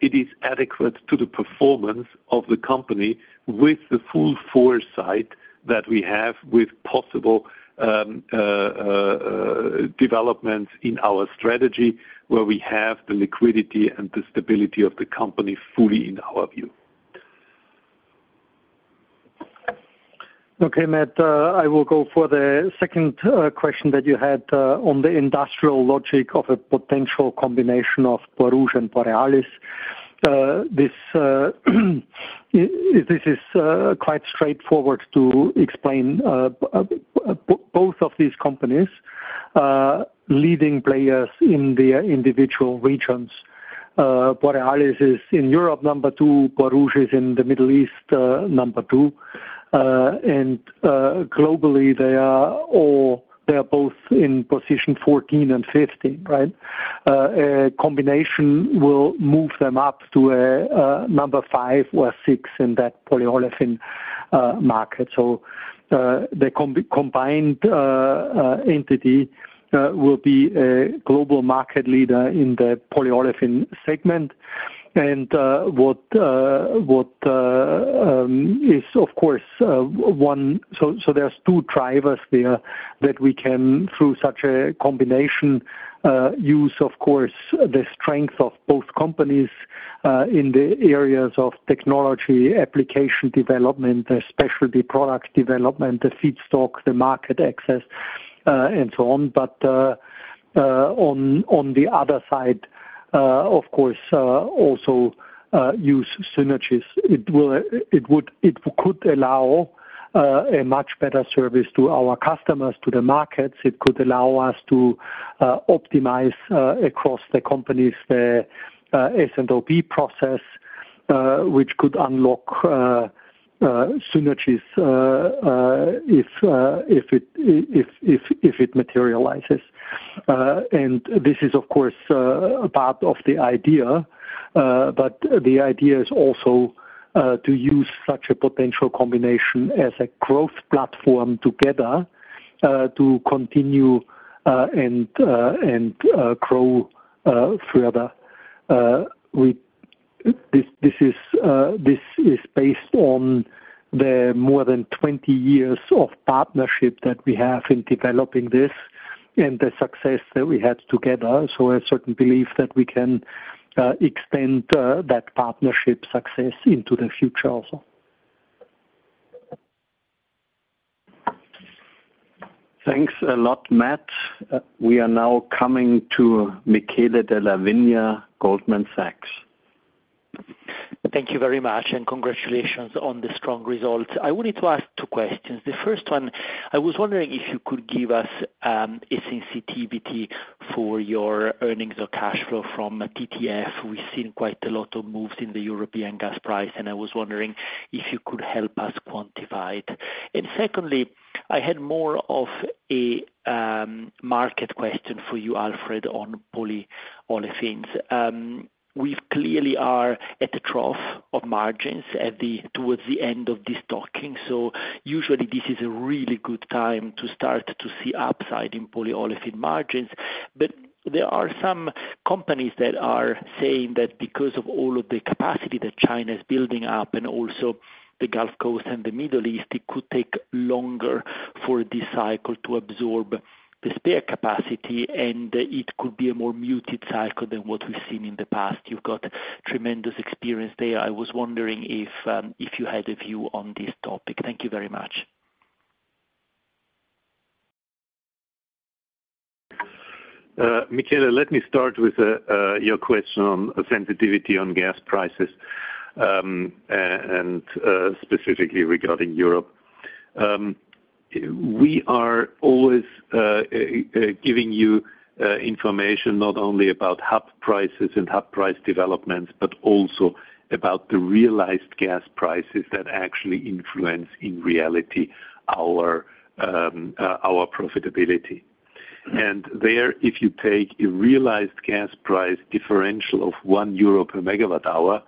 it is adequate to the performance of the company with the full foresight that we have with possible developments in our strategy, where we have the liquidity and the stability of the company fully in our view. Okay, Matt, I will go for the second question that you had on the industrial logic of a potential combination of Borouge and Borealis. This is quite straightforward to explain. Both of these companies, leading players in their individual regions. Borealis is in Europe, number 2, Borouge is in the Middle East, number 2. And globally, they are both in position 14 and 15, right? A combination will move them up to a number 5 or 6 in that polyolefin market. So, the combined entity will be a global market leader in the polyolefin segment. And what is of course one- so there's two drivers there that we can, through such a combination, use, of course, the strength of both companies in the areas of technology, application development, the specialty product development, the feedstock, the market access, and so on. But on the other side, of course, also use synergies. It will, it would, it could allow a much better service to our customers, to the markets. It could allow us to optimize across the companies, the S&OP process, which could unlock synergies if it materializes. And this is, of course, part of the idea, but the idea is also to use such a potential combination as a growth platform together to continue and grow further. This is based on the more than 20 years of partnership that we have in developing this and the success that we had together. So a certain belief that we can extend that partnership success into the future also. Thanks a lot, Matt. We are now coming to Michele Della Vigna, Goldman Sachs. Thank you very much, and congratulations on the strong results. I wanted to ask two questions. The first one, I was wondering if you could give us, a sensitivity for your earnings or cash flow from TTF. We've seen quite a lot of moves in the European gas price, and I was wondering if you could help us quantify it. And secondly, I had more of a, market question for you, Alfred, on polyolefins. We clearly are at the trough of margins at the, towards the end of this talking, so usually this is a really good time to start to see upside in polyolefin margins. There are some companies that are saying that because of all of the capacity that China is building up, and also the Gulf Coast and the Middle East, it could take longer for this cycle to absorb the spare capacity, and it could be a more muted cycle than what we've seen in the past. You've got tremendous experience there. I was wondering if, if you had a view on this topic. Thank you very much. Michele, let me start with your question on sensitivity on gas prices and specifically regarding Europe. We are always giving you information not only about hub prices and hub price developments, but also about the realized gas prices that actually influence in reality our profitability. And there, if you take a realized gas price differential of 1 euro per MWh,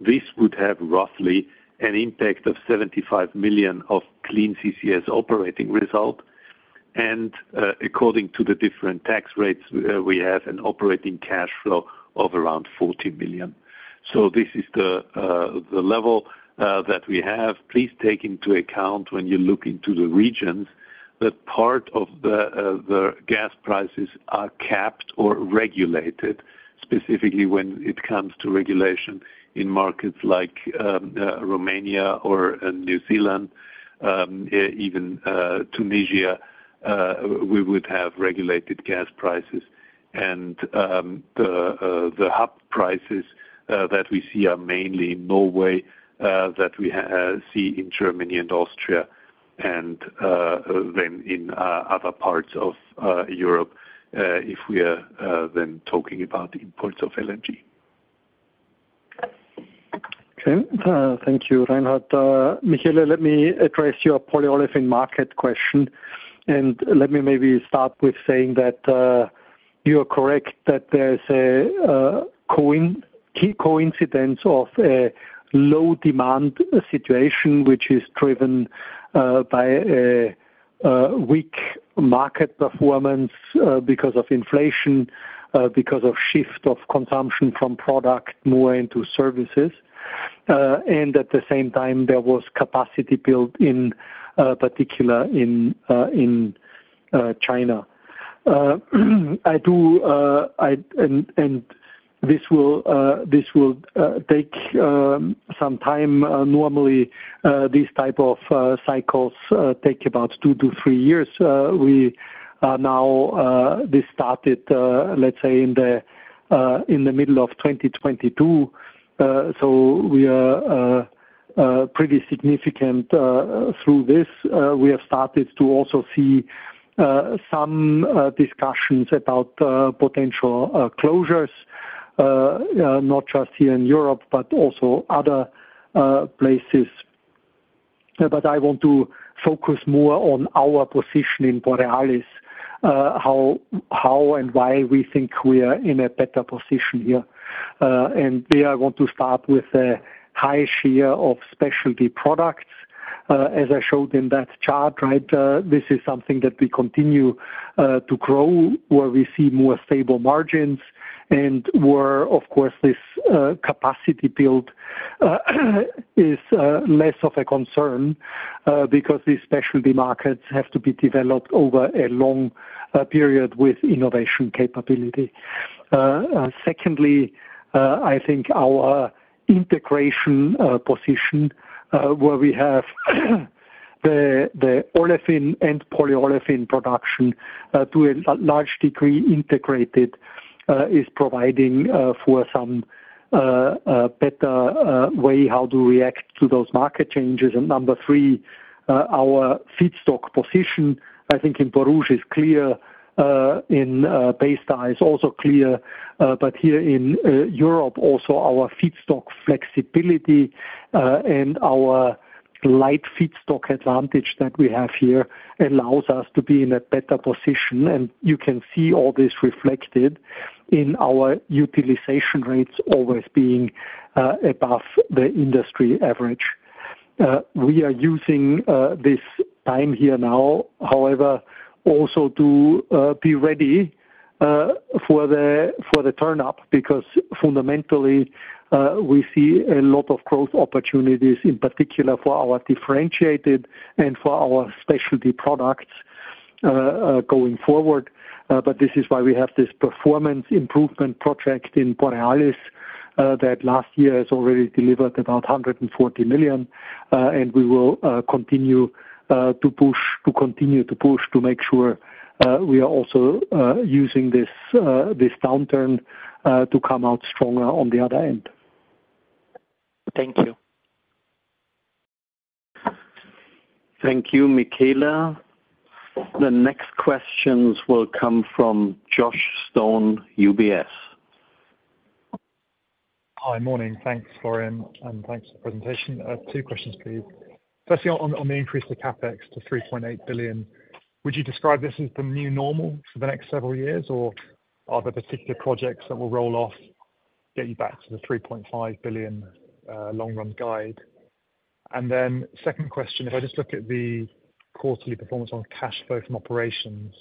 this would have roughly an impact of 75 million of Clean CCS Operating Result. According to the different tax rates, we have an operating cash flow of around 40 million. So this is the level that we have. Please take into account when you look into the regions, that part of the gas prices are capped or regulated, specifically when it comes to regulation in markets like Romania or in New Zealand, even Tunisia, we would have regulated gas prices. The hub prices that we see are mainly in Norway that we see in Germany and Austria, and then in other parts of Europe if we are then talking about the imports of LNG. Okay, thank you, Reinhard. Michele, let me address your polyolefin market question, and let me maybe start with saying that you are correct, that there is a key coincidence of a low demand situation, which is driven by a weak market performance because of inflation because of shift of consumption from product more into services. And at the same time, there was capacity built in particular in China. And this will take some time. Normally, these type of cycles take about 2-3 years. We now this started, let's say, in the middle of 2022. So we are pretty significant through this. We have started to also see some discussions about potential closures, not just here in Europe, but also other places. But I want to focus more on our position in Borealis, how and why we think we are in a better position here. And we are going to start with a high share of specialty products, as I showed in that chart, right? This is something that we continue to grow, where we see more stable margins and where, of course, this capacity build is less of a concern, because these specialty markets have to be developed over a long period with innovation capability. Secondly, I think our integration position, where we have the olefin and polyolefin production to a large degree integrated, is providing for some a better way how to react to those market changes. And number three, our feedstock position, I think in Borouge is clear, in Baystar is also clear. But here in Europe, also our feedstock flexibility and our light feedstock advantage that we have here allows us to be in a better position. And you can see all this reflected in our utilization rates always being above the industry average. We are using this time here now, however, also to be ready for the turn up, because fundamentally, we see a lot of growth opportunities, in particular for our differentiated and for our specialty products going forward. But this is why we have this performance improvement project in Borealis that last year has already delivered about 140 million. And we will continue to push, to continue to push to make sure we are also using this downturn to come out stronger on the other end. Thank you. Thank you, Michaela. The next questions will come from Josh Stone, UBS. Hi, morning. Thanks, Florian, and thanks for the presentation. I have two questions for you. Firstly, on the increase to CapEx to 3.8 billion, would you describe this as the new normal for the next several years, or are there particular projects that will roll off, get you back to the 3.5 billion long run guide? And then second question, if I just look at the quarterly performance on cash flow from operations,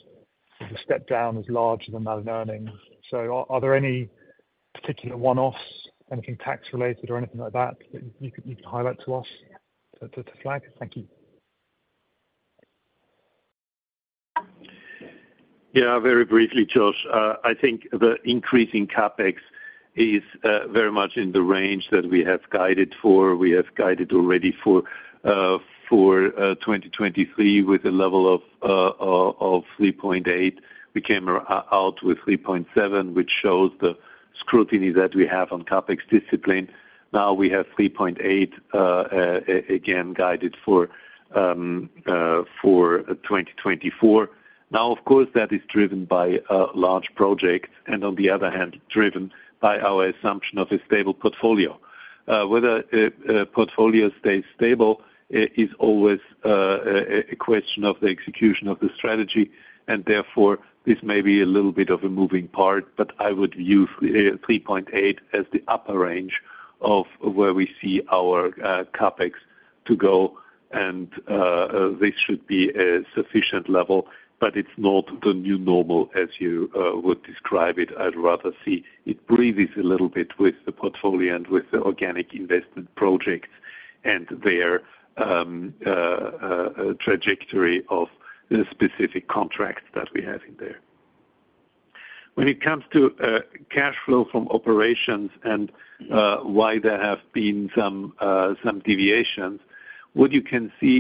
the step down is larger than that in earnings. So are there any particular one-offs, anything tax-related or anything like that, that you could highlight to us, to flag? Thank you. Yeah, very briefly, Josh. I think the increase in CapEx is very much in the range that we have guided for. We have guided already for 2023, with a level of 3.8. We came out with 3.7, which shows the scrutiny that we have on CapEx discipline. Now we have 3.8, again, guided for 2024. Now, of course, that is driven by a large project, and on the other hand, driven by our assumption of a stable portfolio. Whether a portfolio stays stable is always a question of the execution of the strategy, and therefore this may be a little bit of a moving part, but I would view 3.8 as the upper range of where we see our CapEx to go, and this should be a sufficient level, but it's not the new normal, as you would describe it. I'd rather see it breathes a little bit with the portfolio and with the organic investment projects and their trajectory of the specific contracts that we have in there. When it comes to cash flow from operations and why there have been some deviations, what you can see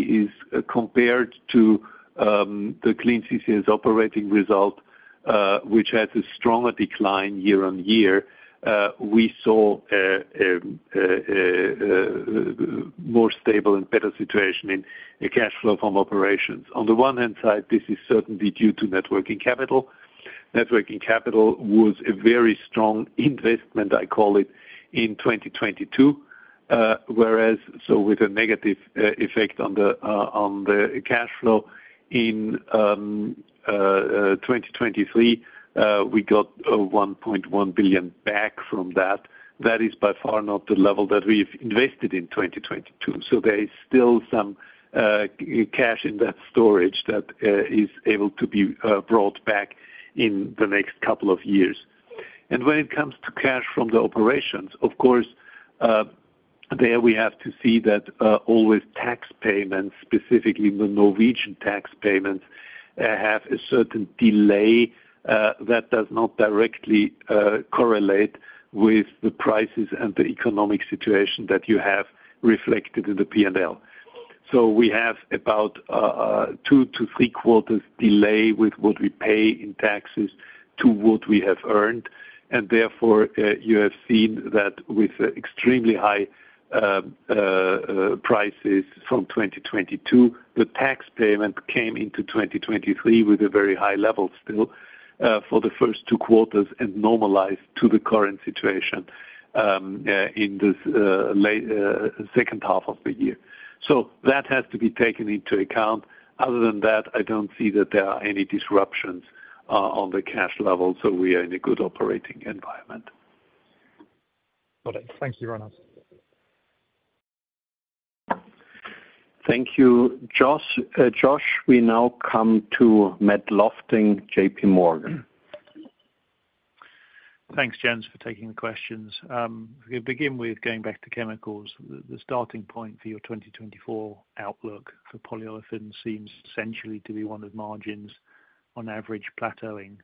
is, compared to the Clean CCS Operating Result, which has a stronger decline year-on-year, we saw more stable and better situation in the cash flow from operations. On the one hand side, this is certainly due to net working capital. Net working capital was a very strong investment, I call it, in 2022, whereas so with a negative effect on the on the cash flow in 2023, we got 1.1 billion back from that. That is by far not the level that we've invested in 2022, so there is still some cash in that storage that is able to be brought back in the next couple of years. When it comes to cash from the operations, of course, there we have to see that always tax payments, specifically the Norwegian tax payments, have a certain delay that does not directly correlate with the prices and the economic situation that you have reflected in the P&L. So we have about, two to three quarters delay with what we pay in taxes to what we have earned, and therefore, you have seen that with extremely high, prices from 2022, the tax payment came into 2023 with a very high level still, for the first two quarters and normalized to the current situation, in this, late, second half of the year. So that has to be taken into account. Other than that, I don't see that there are any disruptions, on the cash level, so we are in a good operating environment. Got it. Thank you, Reinhard. Thank you, Josh, Josh. We now come to Matt Lofting, JPMorgan. Thanks, gents, for taking the questions. We begin with going back to chemicals. The starting point for your 2024 outlook for polyolefins seems essentially to be one of margins, on average, plateauing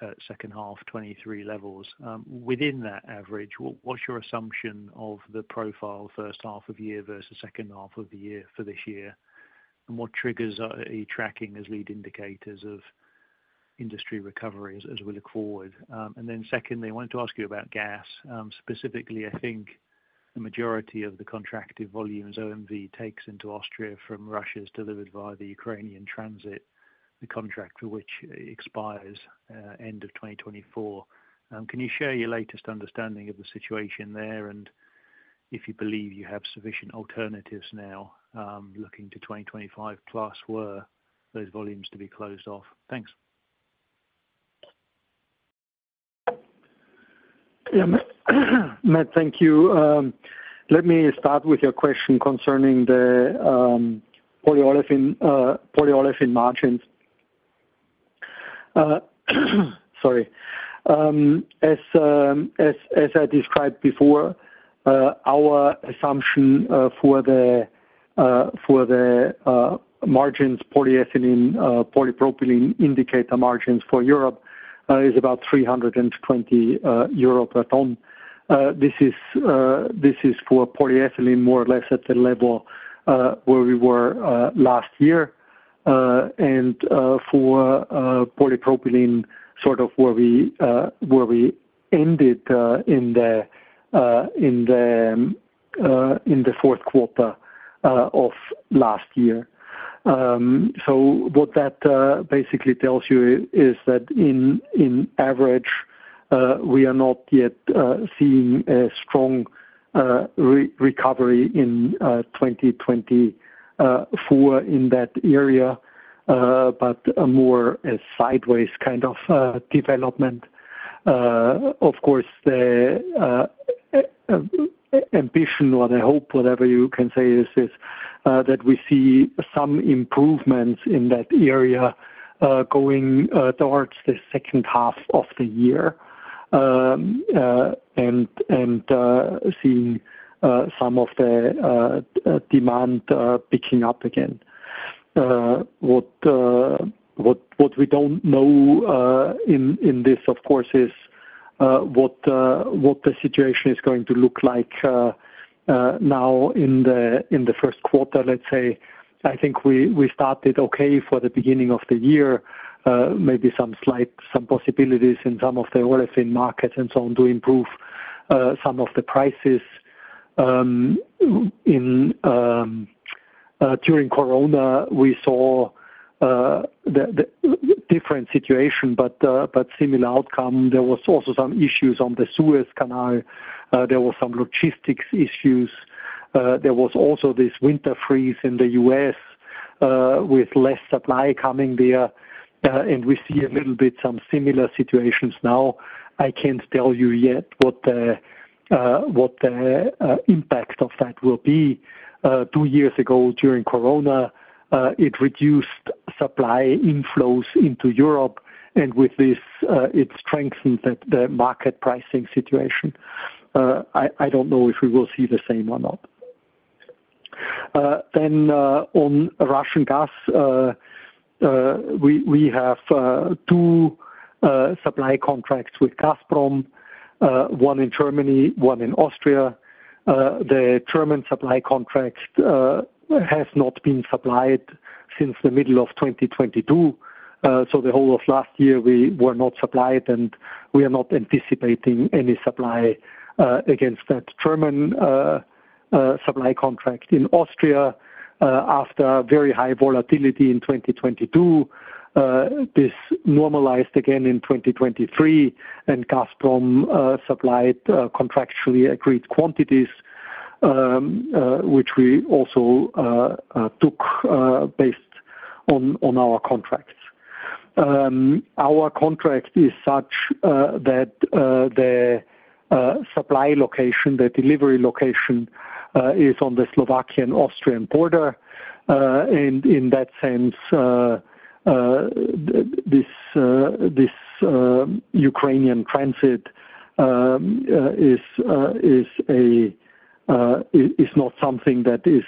at second half 2023 levels. Within that average, what's your assumption of the profile, first half of the year versus second half of the year for this year? And what triggers are you tracking as lead indicators of industry recoveries as we look forward? And then secondly, I wanted to ask you about gas. Specifically, I think the majority of the contracted volumes OMV takes into Austria from Russia is delivered via the Ukrainian transit, the contract for which expires end of 2024. Can you share your latest understanding of the situation there, and if you believe you have sufficient alternatives now, looking to 2025, plus were those volumes to be closed off? Thanks. Yeah, Matt, thank you. Let me start with your question concerning the polyolefin margins. Sorry. As I described before, our assumption for the margins, polyethylene, polypropylene indicator margins for Europe, is about 320 euro per ton. This is for polyethylene, more or less at the level where we were last year, and for polypropylene, sort of where we ended in the fourth quarter of last year. So what that basically tells you is that in average, we are not yet seeing a strong recovery in 2024 in that area, but more a sideways kind of development. Of course, the ambition or the hope, whatever you can say is that we see some improvements in that area going towards the second half of the year, and seeing some of the demand picking up again. What we don't know in this, of course, is what the situation is going to look like now in the first quarter, let's say. I think we started okay for the beginning of the year, maybe some slight possibilities in some of the olefin markets, and so on, to improve some of the prices. During Corona, we saw the different situation, but similar outcome. There was also some issues on the Suez Canal. There were some logistics issues. There was also this winter freeze in the U.S., with less supply coming there, and we see a little bit some similar situations now. I can't tell you yet what the impact of that will be. Two years ago, during Corona, it reduced supply inflows into Europe, and with this, it strengthened the market pricing situation. I don't know if we will see the same or not. Then, on Russian gas, we have two supply contracts with Gazprom, one in Germany, one in Austria. The German supply contract has not been supplied since the middle of 2022. So the whole of last year we were not supplied, and we are not anticipating any supply against that German supply contract. In Austria, after a very high volatility in 2022, this normalized again in 2023, and Gazprom supplied contractually agreed quantities, which we also took based on our contracts. Our contract is such that the supply location, the delivery location, is on the Slovakian-Austrian border. And in that sense, this Ukrainian transit is not something that is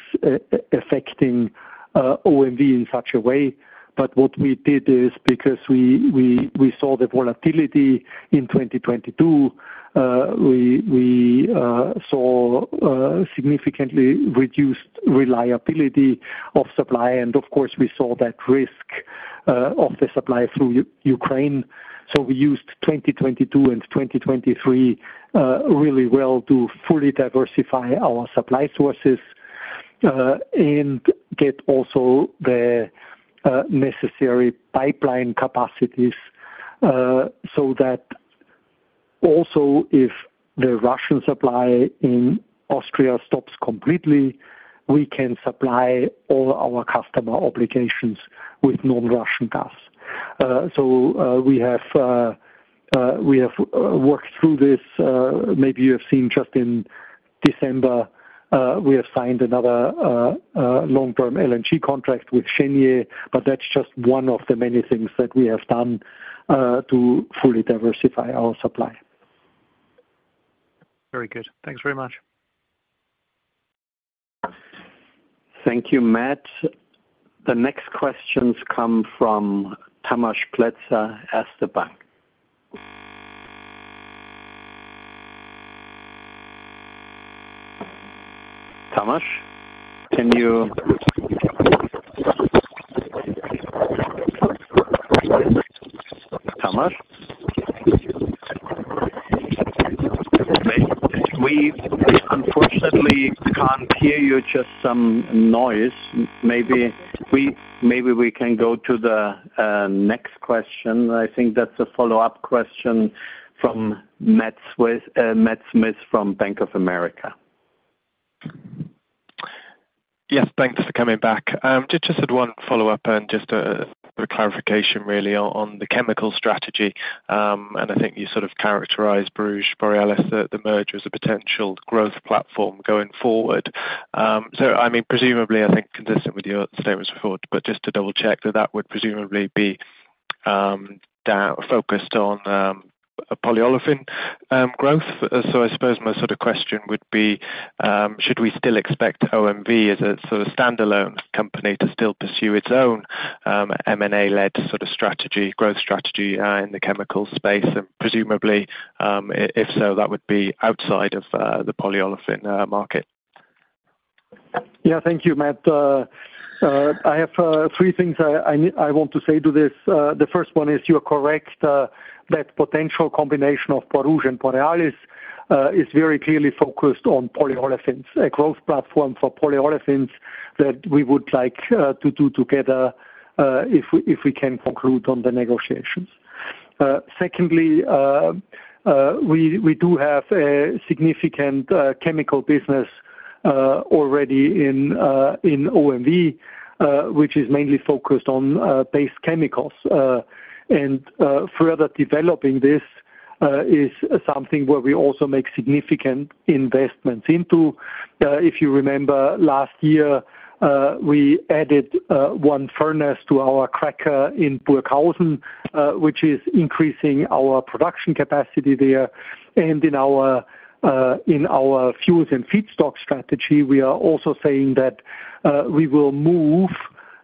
affecting OMV in such a way. But what we did is because we saw the volatility in 2022, we saw significantly reduced reliability of supply, and of course, we saw that risk of the supply through Ukraine. So we used 2022 and 2023 really well to fully diversify our supply sources and get also the necessary pipeline capacities so that also if the Russian supply in Austria stops completely, we can supply all our customer obligations with non-Russian gas. So we have worked through this. Maybe you have seen just in December we have signed another long-term LNG contract with Cheniere, but that's just one of the many things that we have done to fully diversify our supply. Very good. Thanks very much. Thank you, Matt. The next questions come from Tamas Pletzer, Erste Bank. Tamas, can you... Tamas? We unfortunately can't hear you, just some noise. Maybe we can go to the next question. I think that's a follow-up question from Matt Smith from Bank of America. Yes, thanks for coming back. Just had one follow-up and just a clarification really on the chemical strategy. And I think you sort of characterized Borouge, Borealis, the merger as a potential growth platform going forward. So I mean, presumably, I think consistent with your statements before, but just to double-check that that would presumably be down-focused on polyolefin growth. So I suppose my sort of question would be, should we still expect OMV as a sort of standalone company to still pursue its own M&A-led sort of strategy, growth strategy in the chemical space? And presumably, if so, that would be outside of the polyolefin market. Yeah. Thank you, Matt. I have three things I want to say to this. The first one is you are correct that potential combination of Borouge and Borealis is very clearly focused on polyolefins, a growth platform for polyolefins that we would like to do together if we can conclude on the negotiations. Secondly, we do have a significant chemical business already in OMV, which is mainly focused on base chemicals. Further developing this is something where we also make significant investments into. If you remember last year, we added one furnace to our cracker in Burghausen, which is increasing our production capacity there. In our Fuels and Feedstock strategy, we are also saying that we will move,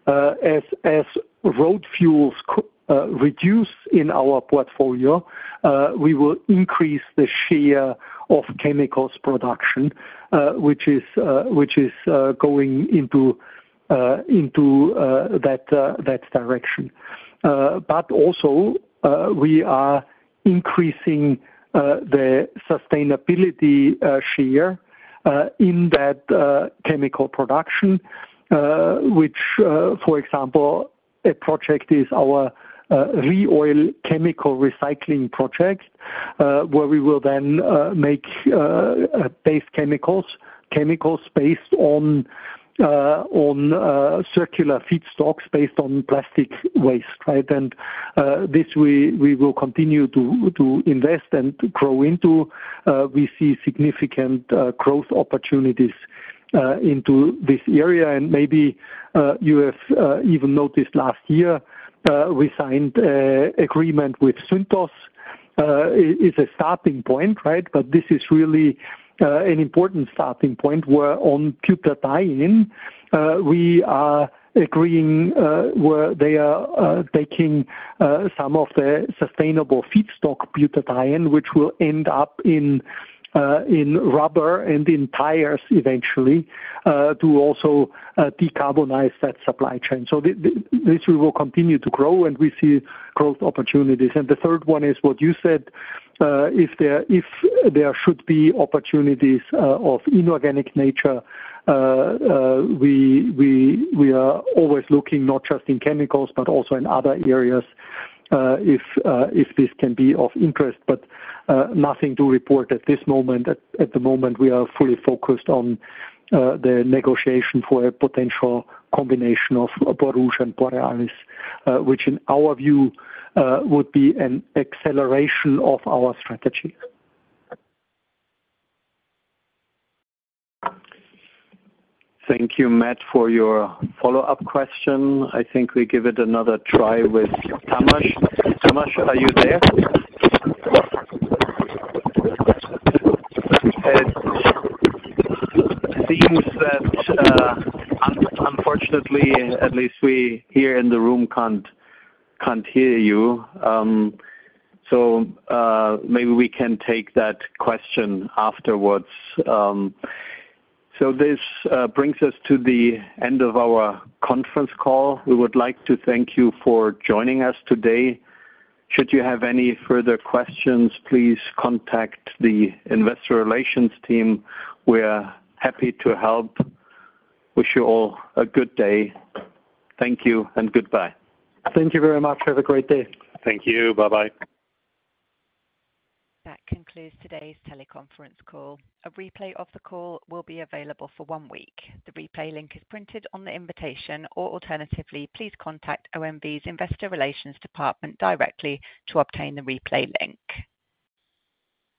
as road fuels reduce in our portfolio, we will increase the share of chemicals production, which is going into that direction. But also, we are increasing the sustainability share in that chemical production, which, for example, a project is our ReOil chemical recycling project, where we will then make base chemicals. Chemicals based on circular feedstocks, based on plastic waste, right? And this we will continue to invest and to grow into. We see significant growth opportunities into this area. And maybe you have even noticed last year we signed an agreement with Synthos. It's a starting point, right? But this is really an important starting point, where on butadiene we are agreeing, where they are taking some of the sustainable feedstock butadiene, which will end up in rubber and in tires eventually, to also decarbonize that supply chain. So this we will continue to grow, and we see growth opportunities. And the third one is what you said, if there should be opportunities of inorganic nature, we are always looking, not just in chemicals, but also in other areas, if this can be of interest. But nothing to report at this moment. At the moment, we are fully focused on the negotiation for a potential combination of Borouge and Borealis, which in our view would be an acceleration of our strategy. Thank you, Matt, for your follow-up question. I think we give it another try with Tamas. Tamas, are you there? It seems that, unfortunately, at least we here in the room can't hear you. So, maybe we can take that question afterwards. So this brings us to the end of our conference call. We would like to thank you for joining us today. Should you have any further questions, please contact the investor relations team. We are happy to help. Wish you all a good day. Thank you and goodbye. Thank you very much. Have a great day. Thank you. Bye-bye. That concludes today's teleconference call. A replay of the call will be available for one week. The replay link is printed on the invitation, or alternatively, please contact OMV's Investor Relations department directly to obtain the replay link.